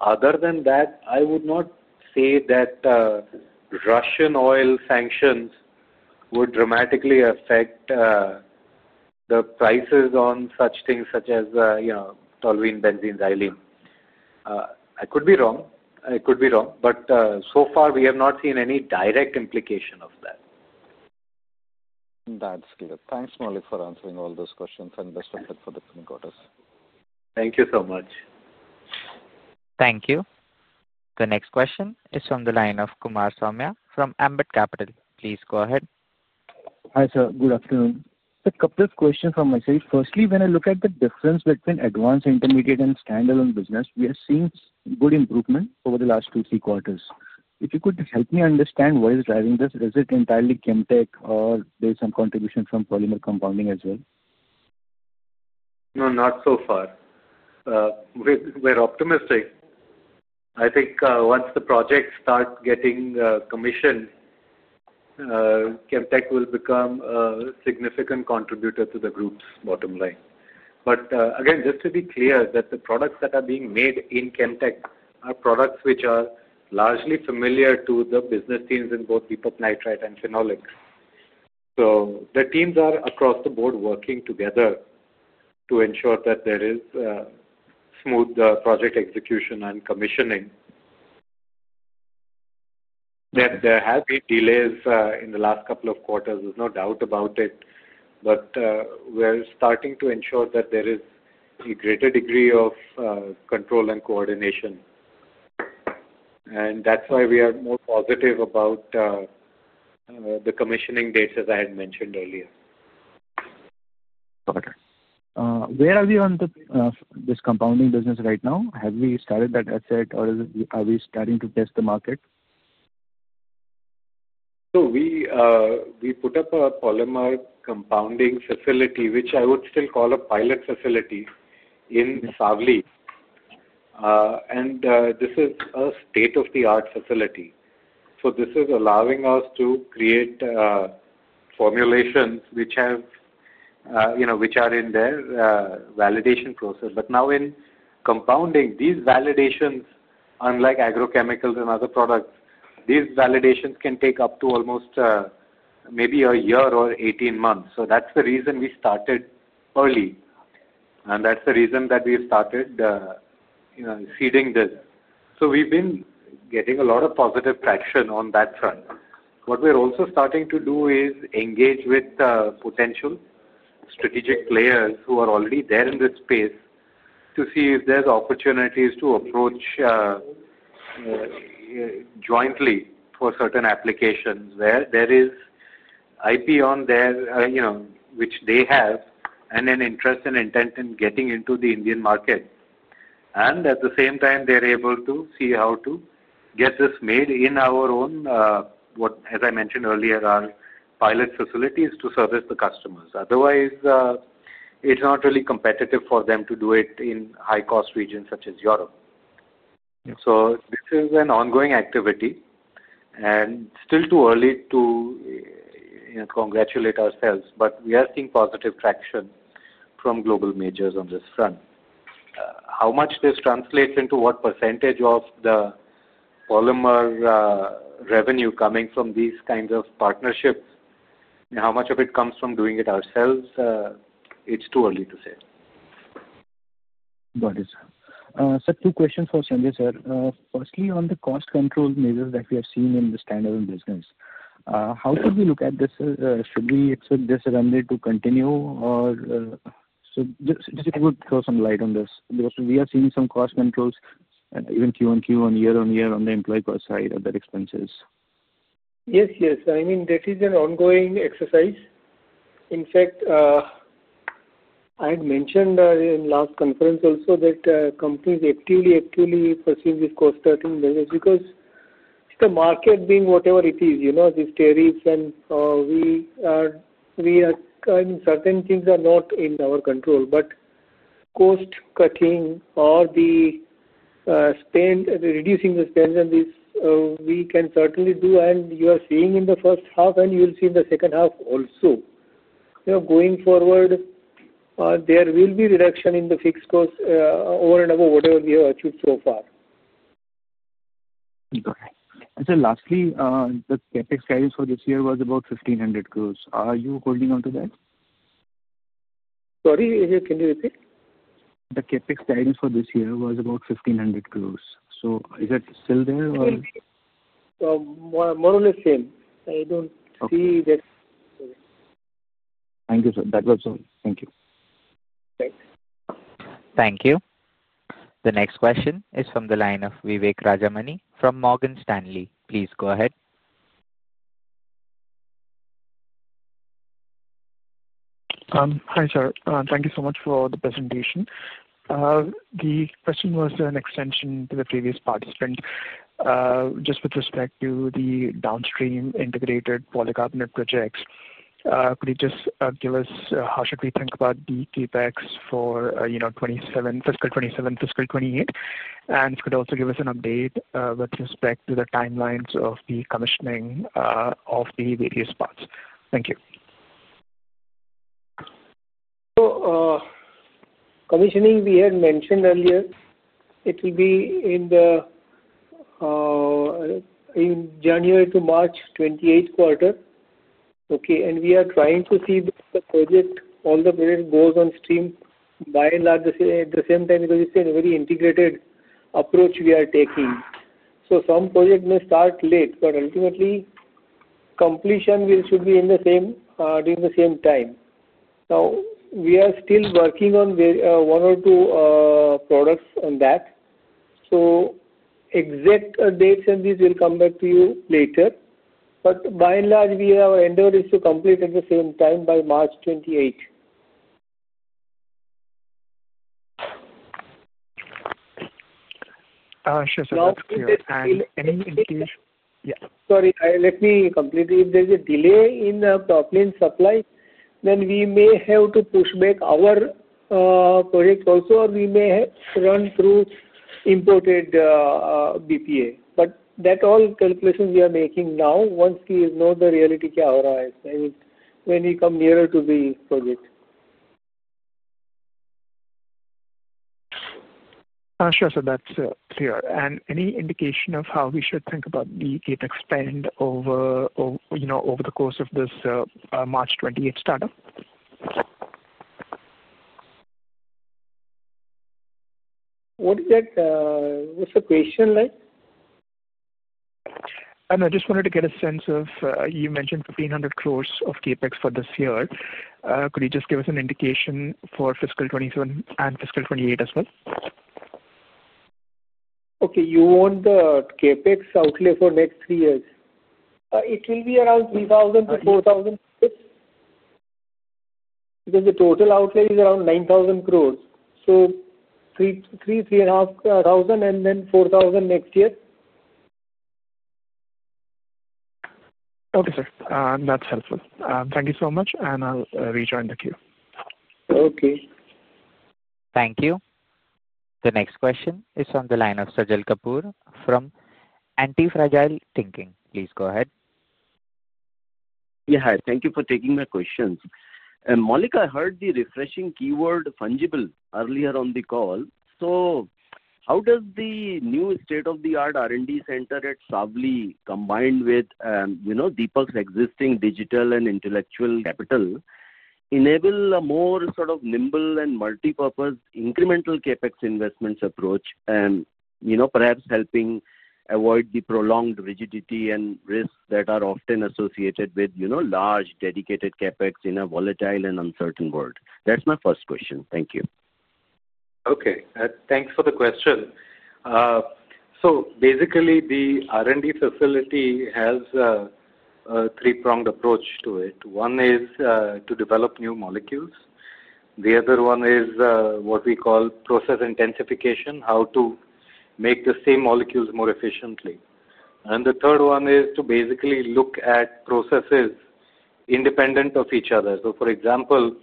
Speaker 3: Other than that, I would not say that Russian oil sanctions would dramatically affect the prices on such things such as toluene, benzene, xylene. I could be wrong. I could be wrong. So far, we have not seen any direct implication of that.
Speaker 7: That's clear. Thanks, Maulik, for answering all those questions and best of luck for the coming quarters.
Speaker 3: Thank you so much.
Speaker 1: Thank you. The next question is from the line of Kumar Saumya from Ambit Capital. Please go ahead.
Speaker 8: Hi sir. Good afternoon. A couple of questions for myself. Firstly, when I look at the difference between advanced intermediate and standalone business, we are seeing good improvement over the last two, three quarters. If you could help me understand what is driving this, is it entirely Chem Tech or there is some contribution from polymer compounding as well?
Speaker 3: No, not so far. We're optimistic. I think once the projects start getting commissioned, Chem Tech will become a significant contributor to the group's bottom line. Again, just to be clear, the products that are being made in Chem Tech are products which are largely familiar to the business teams in both Deepak Nitrite and Phenolics. The teams are across the board working together to ensure that there is smooth project execution and commissioning. There have been delays in the last couple of quarters. There is no doubt about it. We're starting to ensure that there is a greater degree of control and coordination. That is why we are more positive about the commissioning dates, as I had mentioned earlier.
Speaker 8: Okay. Where are we on this compounding business right now? Have we started that asset, or are we starting to test the market?
Speaker 3: We put up a polymer compounding facility, which I would still call a pilot facility, in Savli. This is a state-of-the-art facility. This is allowing us to create formulations which are in their validation process. In compounding, these validations, unlike agrochemicals and other products, can take up to almost maybe a year or 18 months. That is the reason we started early. That is the reason that we started seeding this. We have been getting a lot of positive traction on that front. What we are also starting to do is engage with potential strategic players who are already there in this space to see if there are opportunities to approach jointly for certain applications where there is IP on there which they have and an interest and intent in getting into the Indian market. At the same time, they're able to see how to get this made in our own, as I mentioned earlier, our pilot facilities to service the customers. Otherwise, it's not really competitive for them to do it in high-cost regions such as Europe. This is an ongoing activity. It is still too early to congratulate ourselves, but we are seeing positive traction from global majors on this front. How much this translates into what percentage of the polymer revenue coming from these kinds of partnerships and how much of it comes from doing it ourselves, it's too early to say.
Speaker 8: Got it, sir. Two questions for Sanjay, sir. Firstly, on the cost control measures that we have seen in the standalone business, how should we look at this? Should we expect this runway to continue? If you could throw some light on this. We are seeing some cost controls, even Q1, Q1, year-on-year on the employee cost side of their expenses.
Speaker 4: Yes, yes. I mean, this is an ongoing exercise. In fact, I had mentioned in last conference also that company is actively, actively pursuing this cost-cutting measures because the market being whatever it is, these tariffs, and we are certain things are not in our control. Cost-cutting or reducing the spend, we can certainly do. You are seeing in the first half, and you'll see in the second half also. Going forward, there will be reduction in the fixed cost over and over, whatever we have achieved so far.
Speaker 8: Okay. Lastly, the CapEx guidance for this year was about 1,500 crore. Are you holding on to that?
Speaker 4: Sorry, can you repeat?
Speaker 8: The CapEx guidance for this year was about 1,500 crore. Is it still there or?
Speaker 4: It will be more or less same. I don't see that.
Speaker 8: Thank you, sir. That was all. Thank you.
Speaker 4: Thanks.
Speaker 1: Thank you. The next question is from the line of Vivek Rajamani from Morgan Stanley. Please go ahead.
Speaker 9: Hi sir. Thank you so much for the presentation. The question was an extension to the previous participant just with respect to the downstream integrated polycarbonate projects. Could you just give us how should we think about the CapEx for fiscal 2027, fiscal 2028? If you could also give us an update with respect to the timelines of the commissioning of the various parts. Thank you.
Speaker 4: Commissioning, we had mentioned earlier. It will be in January to March, 2028 quarter. Okay. We are trying to see all the projects go on stream by and large at the same time because it is a very integrated approach we are taking. Some projects may start late, but ultimately, completion should be in the same time. Now, we are still working on one or two products on that. Exact dates and these will come back to you later. By and large, our endeavor is to complete at the same time by March 2028.
Speaker 9: Sure, sir. That is clear. Any increase?
Speaker 4: Sorry, let me complete. If there is a delay in the propane supply, then we may have to push back our project also, or we may run through imported BPA. All calculations we are making now once we know the reality when we come nearer to the project.
Speaker 9: Sure, sir. That's clear. Any indication of how we should think about the CapEx spend over the course of this March 2028 startup?
Speaker 4: What's the question like?
Speaker 9: I just wanted to get a sense of you mentioned 1,500 crore of CapEx for this year. Could you just give us an indication for fiscal 2027 and fiscal 2028 as well?
Speaker 4: Okay. You want the CapEx outlay for next three years? It will be around 3,000 crore-4,000 crore because the total outlay is around 9,000 crore. So 3,000, 3,500, and then 4,000 next year.
Speaker 9: Okay, sir. That's helpful. Thank you so much, and I'll rejoin the queue.
Speaker 4: Okay.
Speaker 1: Thank you. The next question is from the line of Sajal Kapoor from Antifragile Thinking. Please go ahead.
Speaker 10: Yeah, hi. Thank you for taking my questions. Maulik, I heard the refreshing keyword fungible earlier on the call. How does the new state-of-the-art R&D center at Savli, combined with Deepak's existing digital and intellectual capital, enable a more sort of nimble and multipurpose incremental CapEx investments approach, perhaps helping avoid the prolonged rigidity and risks that are often associated with large dedicated CapEx in a volatile and uncertain world? That's my first question. Thank you.
Speaker 3: Okay. Thanks for the question. Basically, the R&D facility has a three-pronged approach to it. One is to develop new molecules. The other one is what we call process intensification, how to make the same molecules more efficiently. The third one is to basically look at processes independent of each other. For example,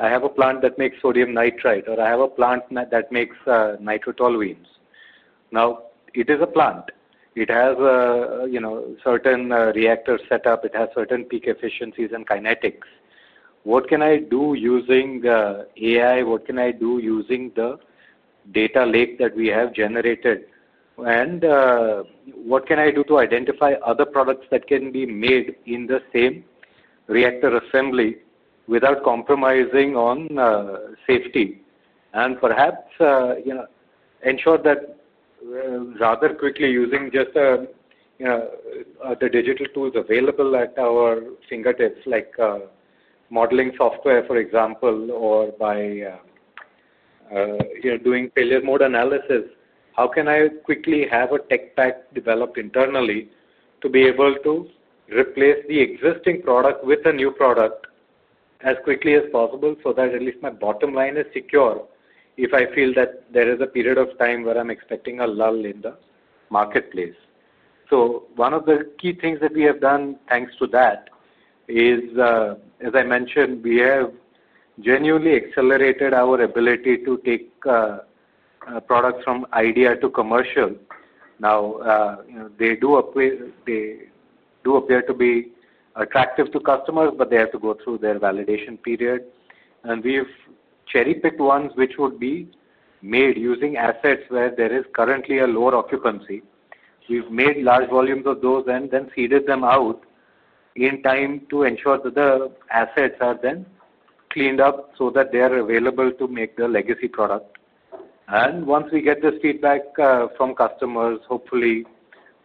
Speaker 3: I have a plant that makes sodium nitrite, or I have a plant that makes nitrotoluenes. Now, it is a plant. It has certain reactors set up. It has certain peak efficiencies and kinetics.
Speaker 10: What can I do using AI? What can I do using the data lake that we have generated? What can I do to identify other products that can be made in the same reactor assembly without compromising on safety? Perhaps ensure that rather quickly using just the digital tools available at our fingertips, like modeling software, for example, or by doing failure mode analysis, how can I quickly have a tech pack developed internally to be able to replace the existing product with a new product as quickly as possible so that at least my bottom line is secure if I feel that there is a period of time where I'm expecting a lull in the marketplace?
Speaker 3: One of the key things that we have done thanks to that is, as I mentioned, we have genuinely accelerated our ability to take products from idea to commercial. Now, they do appear to be attractive to customers, but they have to go through their validation period. We have cherry-picked ones which would be made using assets where there is currently a lower occupancy. We have made large volumes of those and then seeded them out in time to ensure that the assets are then cleaned up so that they are available to make the legacy product. Once we get this feedback from customers, hopefully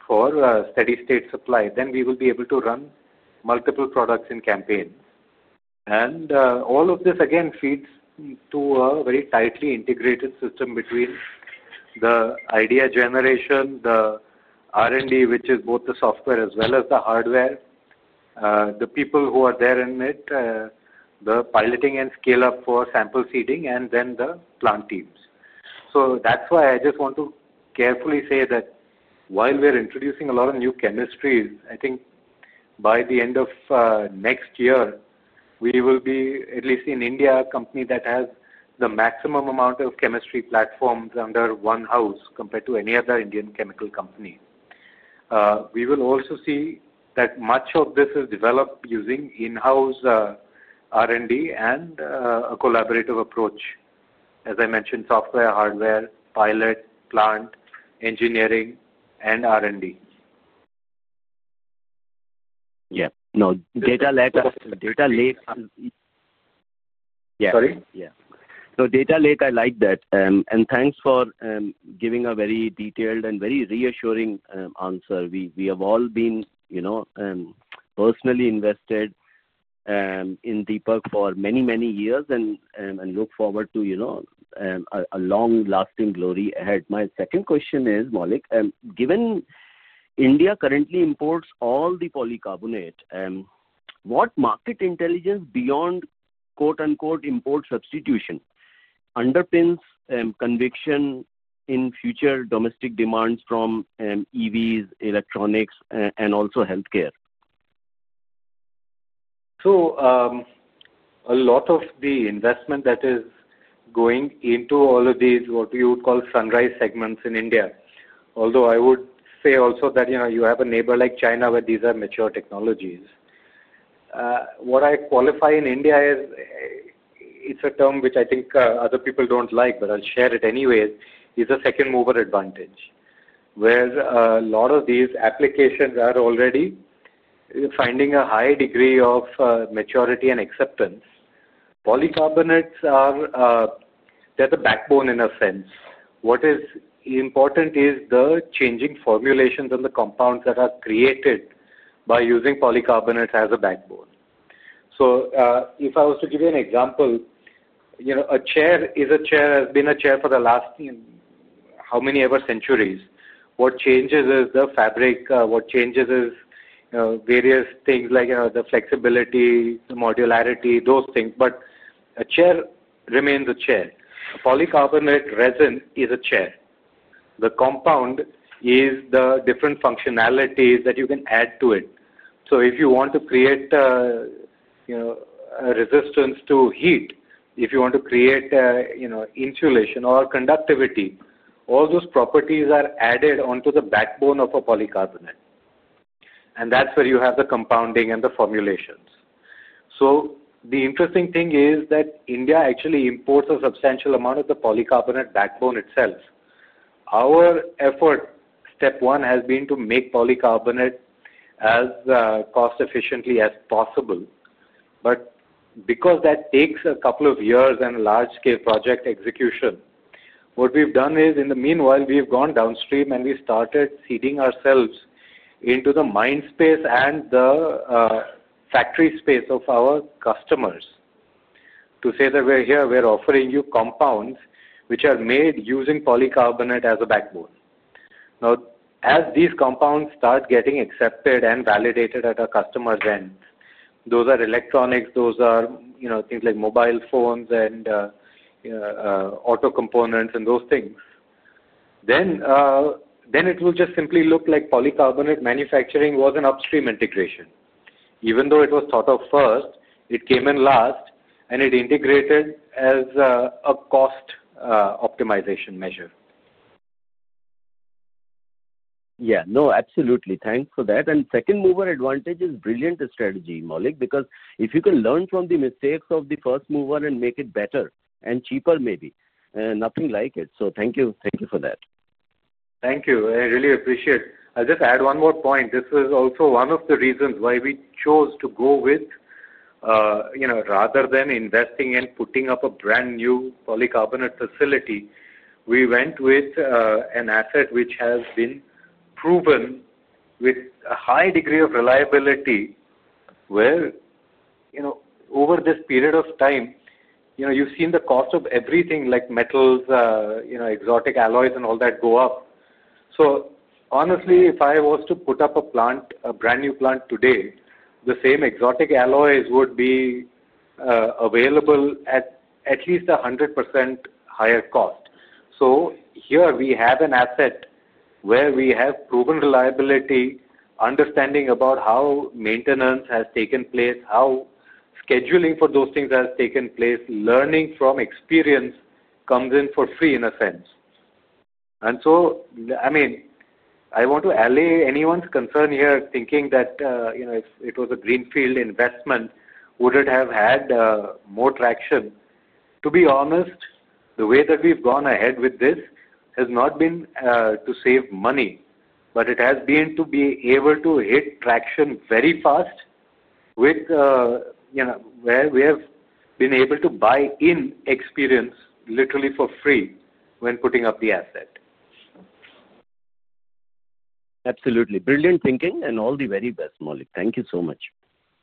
Speaker 3: for steady-state supply, we will be able to run multiple products in campaign. All of this, again, feeds to a very tightly integrated system between the idea generation, the R&D, which is both the software as well as the hardware, the people who are there in it, the piloting and scale-up for sample seeding, and then the plant teams. That is why I just want to carefully say that while we're introducing a lot of new chemistries, I think by the end of next year, we will be, at least in India, a company that has the maximum amount of chemistry platforms under one house compared to any other Indian chemical company. We will also see that much of this is developed using in-house R&D and a collaborative approach, as I mentioned, software, hardware, pilot, plant, engineering, and R&D.
Speaker 10: Yeah. No, data lake.
Speaker 3: Sorry?
Speaker 10: Yeah. So data lake, I like that. Thanks for giving a very detailed and very reassuring answer. We have all been personally invested in Deepak for many, many years and look forward to a long-lasting glory ahead. My second question is, Maulik, given India currently imports all the polycarbonate, what market intelligence beyond "import substitution" underpins conviction in future domestic demands from EVs, electronics, and also healthcare?
Speaker 3: A lot of the investment that is going into all of these, what you would call sunrise segments in India, although I would say also that you have a neighbor like China where these are mature technologies. What I qualify in India is it's a term which I think other people do not like, but I'll share it anyway. It's a second-mover advantage where a lot of these applications are already finding a high degree of maturity and acceptance. Polycarbonates, they're the backbone in a sense. What is important is the changing formulations and the compounds that are created by using polycarbonates as a backbone. If I was to give you an example, a chair has been a chair for the last however many centuries. What changes is the fabric. What changes is various things like the flexibility, the modularity, those things. A chair remains a chair. A polycarbonate resin is a chair. The compound is the different functionalities that you can add to it. If you want to create a resistance to heat, if you want to create insulation or conductivity, all those properties are added onto the backbone of a polycarbonate. That is where you have the compounding and the formulations. The interesting thing is that India actually imports a substantial amount of the polycarbonate backbone itself. Our effort, step one, has been to make polycarbonate as cost-efficiently as possible. Because that takes a couple of years and a large-scale project execution, what we have done is, in the meanwhile, we have gone downstream and we started seeding ourselves into the mind space and the factory space of our customers to say that we are here, we are offering you compounds which are made using polycarbonate as a backbone. Now, as these compounds start getting accepted and validated at our customers' end, those are electronics, those are things like mobile phones and auto components and those things, then it will just simply look like polycarbonate manufacturing was an upstream integration. Even though it was thought of first, it came in last, and it integrated as a cost optimization measure.
Speaker 10: Yeah. No, absolutely. Thanks for that. Second-mover advantage is brilliant strategy, Maulik, because if you can learn from the mistakes of the first mover and make it better and cheaper, maybe. Nothing like it. Thank you for that.
Speaker 3: Thank you. I really appreciate it. I'll just add one more point. This is also one of the reasons why we chose to go with, rather than investing and putting up a brand new polycarbonate facility, we went with an asset which has been proven with a high degree of reliability where over this period of time, you've seen the cost of everything like metals, exotic alloys, and all that go up. Honestly, if I was to put up a brand new plant today, the same exotic alloys would be available at at least a 100% higher cost. Here we have an asset where we have proven reliability, understanding about how maintenance has taken place, how scheduling for those things has taken place. Learning from experience comes in for free in a sense. I mean, I want to allay anyone's concern here thinking that if it was a greenfield investment, would it have had more traction? To be honest, the way that we've gone ahead with this has not been to save money, but it has been to be able to hit traction very fast with where we have been able to buy in experience literally for free when putting up the asset.
Speaker 10: Absolutely. Brilliant thinking and all the very best, Maulik. Thank you so much.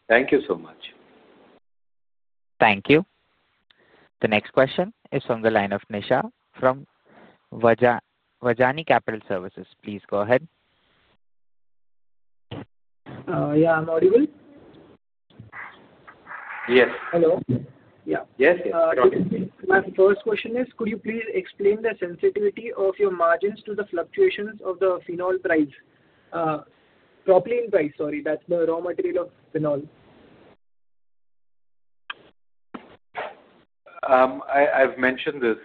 Speaker 3: Thank you so much.
Speaker 1: Thank you. The next question is from the line of Nisha from Vajani Capital Services. Please go ahead.
Speaker 11: Yeah. Am I audible?
Speaker 3: Yes.
Speaker 11: Hello.
Speaker 3: Yeah.
Speaker 11: Yes, yes. Got it. My first question is, could you please explain the sensitivity of your margins to the fluctuations of the phenol price? Propylene price, sorry. That's the raw material of phenol.
Speaker 3: I've mentioned this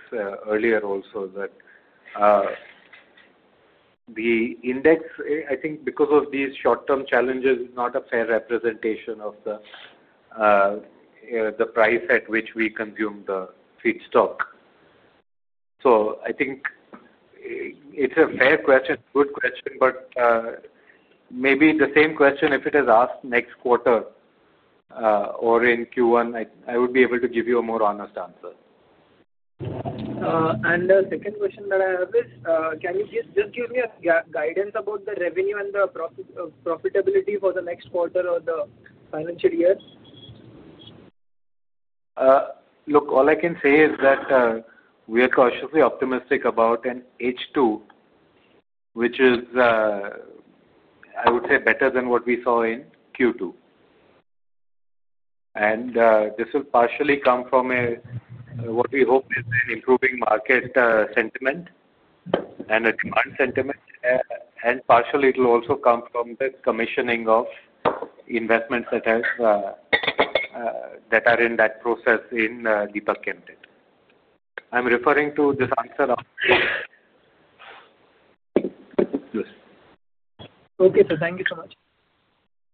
Speaker 3: earlier also that the index, I think because of these short-term challenges, is not a fair representation of the price at which we consume the feedstock. I think it's a fair question, good question, but maybe the same question if it is asked next quarter or in Q1, I would be able to give you a more honest answer.
Speaker 11: The second question that I have is, can you just give me guidance about the revenue and the profitability for the next quarter or the financial year?
Speaker 3: Look, all I can say is that we are cautiously optimistic about an H2, which is, I would say, better than what we saw in Q2. This will partially come from what we hope is an improving market sentiment and a demand sentiment. Partially, it will also come from the commissioning of investments that are in that process in Deepak Chem Tech. I am referring to this answer after.
Speaker 11: Yes. Okay. Thank you so much.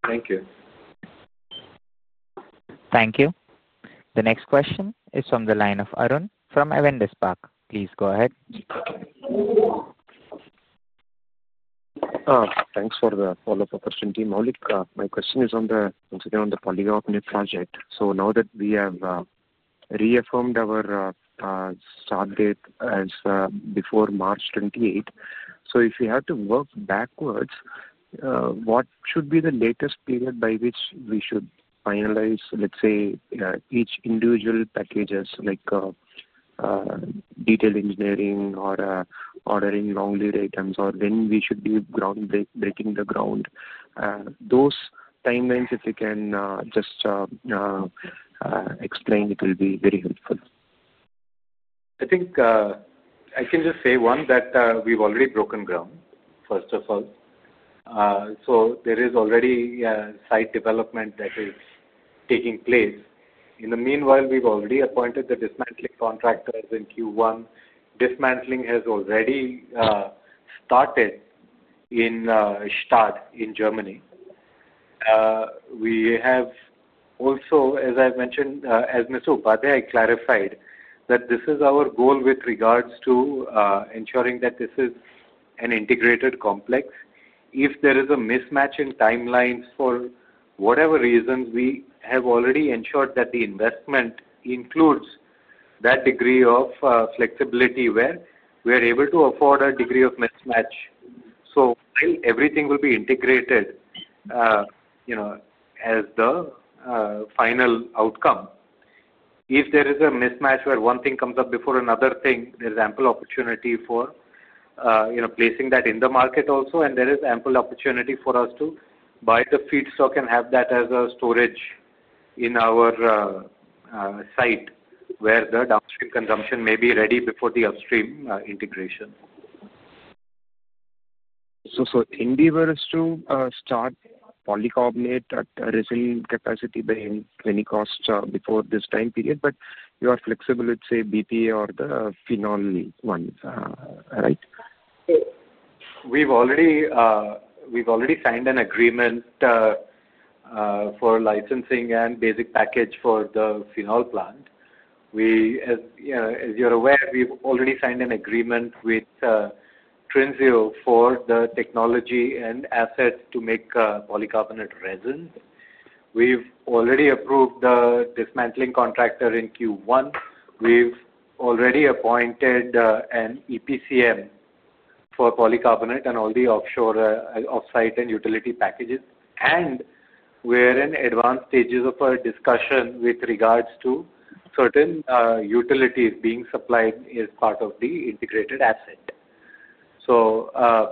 Speaker 3: Thank you.
Speaker 1: Thank you. The next question is from the line of Arun from Arvind The Park. Please go ahead. Thanks for the follow-up question, Maulik. My question is once again on the polycarbonate project. Now that we have reaffirmed our start date as before March 28th, if we have to work backwards, what should be the latest period by which we should finalize, let's say, each individual package like detail engineering or ordering long lead items or when we should be breaking ground? Those timelines, if you can just explain, it will be very helpful.
Speaker 3: I think I can just say, one, that we've already broken ground, first of all. There is already site development that is taking place. In the meanwhile, we've already appointed the dismantling contractors in Q1. Dismantling has already started in Stade in Germany. We have also, as I've mentioned, as Mr. Upadhyay clarified, that this is our goal with regards to ensuring that this is an integrated complex. If there is a mismatch in timelines for whatever reasons, we have already ensured that the investment includes that degree of flexibility where we are able to afford a degree of mismatch. Everything will be integrated as the final outcome. If there is a mismatch where one thing comes up before another thing, there is ample opportunity for placing that in the market also. There is ample opportunity for us to buy the feedstock and have that as a storage in our site where the downstream consumption may be ready before the upstream integration. In the reverse too, Stade polycarbonate resin capacity behind any cost before this time period, but you are flexible with, say, BPA or the phenol one, right? We've already signed an agreement for licensing and basic package for the phenol plant. As you're aware, we've already signed an agreement with Trinseo for the technology and assets to make polycarbonate resin. We've already approved the dismantling contractor in Q1. We've already appointed an EPCM for polycarbonate and all the offsite and utility packages. We're in advanced stages of our discussion with regards to certain utilities being supplied as part of the integrated asset. I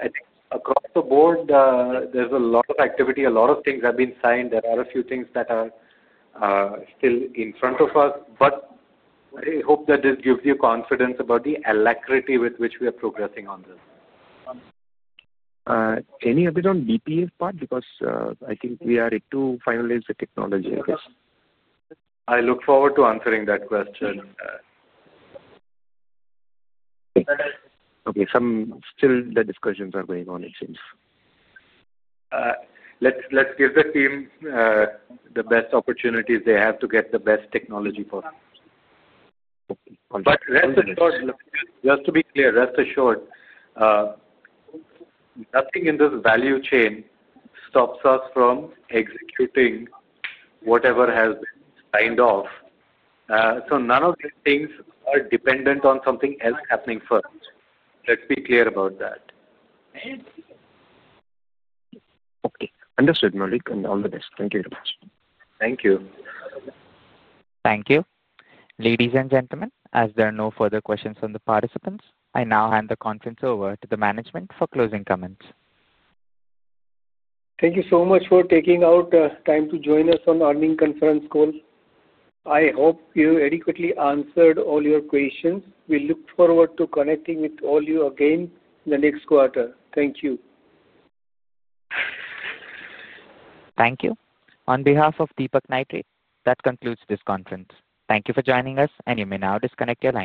Speaker 3: think across the board, there's a lot of activity. A lot of things have been signed. There are a few things that are still in front of us, but I hope that this gives you confidence about the alacrity with which we are progressing on this. Any other on BPF part? Because I think we are to finalize the technology. I look forward to answering that question. Okay. Still, the discussions are going on, it seems. Let's give the team the best opportunities they have to get the best technology for. Just to be clear, rest assured, nothing in this value chain stops us from executing whatever has been signed off. None of these things are dependent on something else happening first. Let's be clear about that. Okay. Understood, Maulik. All the best. Thank you very much. Thank you.
Speaker 1: Thank you. Ladies and gentlemen, as there are no further questions from the participants, I now hand the conference over to the management for closing comments.
Speaker 4: Thank you so much for taking out time to join us on the earnings conference call. I hope you adequately answered all your questions. We look forward to connecting with all you again in the next quarter. Thank you.
Speaker 1: Thank you. On behalf of Deepak Nitrite, that concludes this conference. Thank you for joining us, and you may now disconnect your line.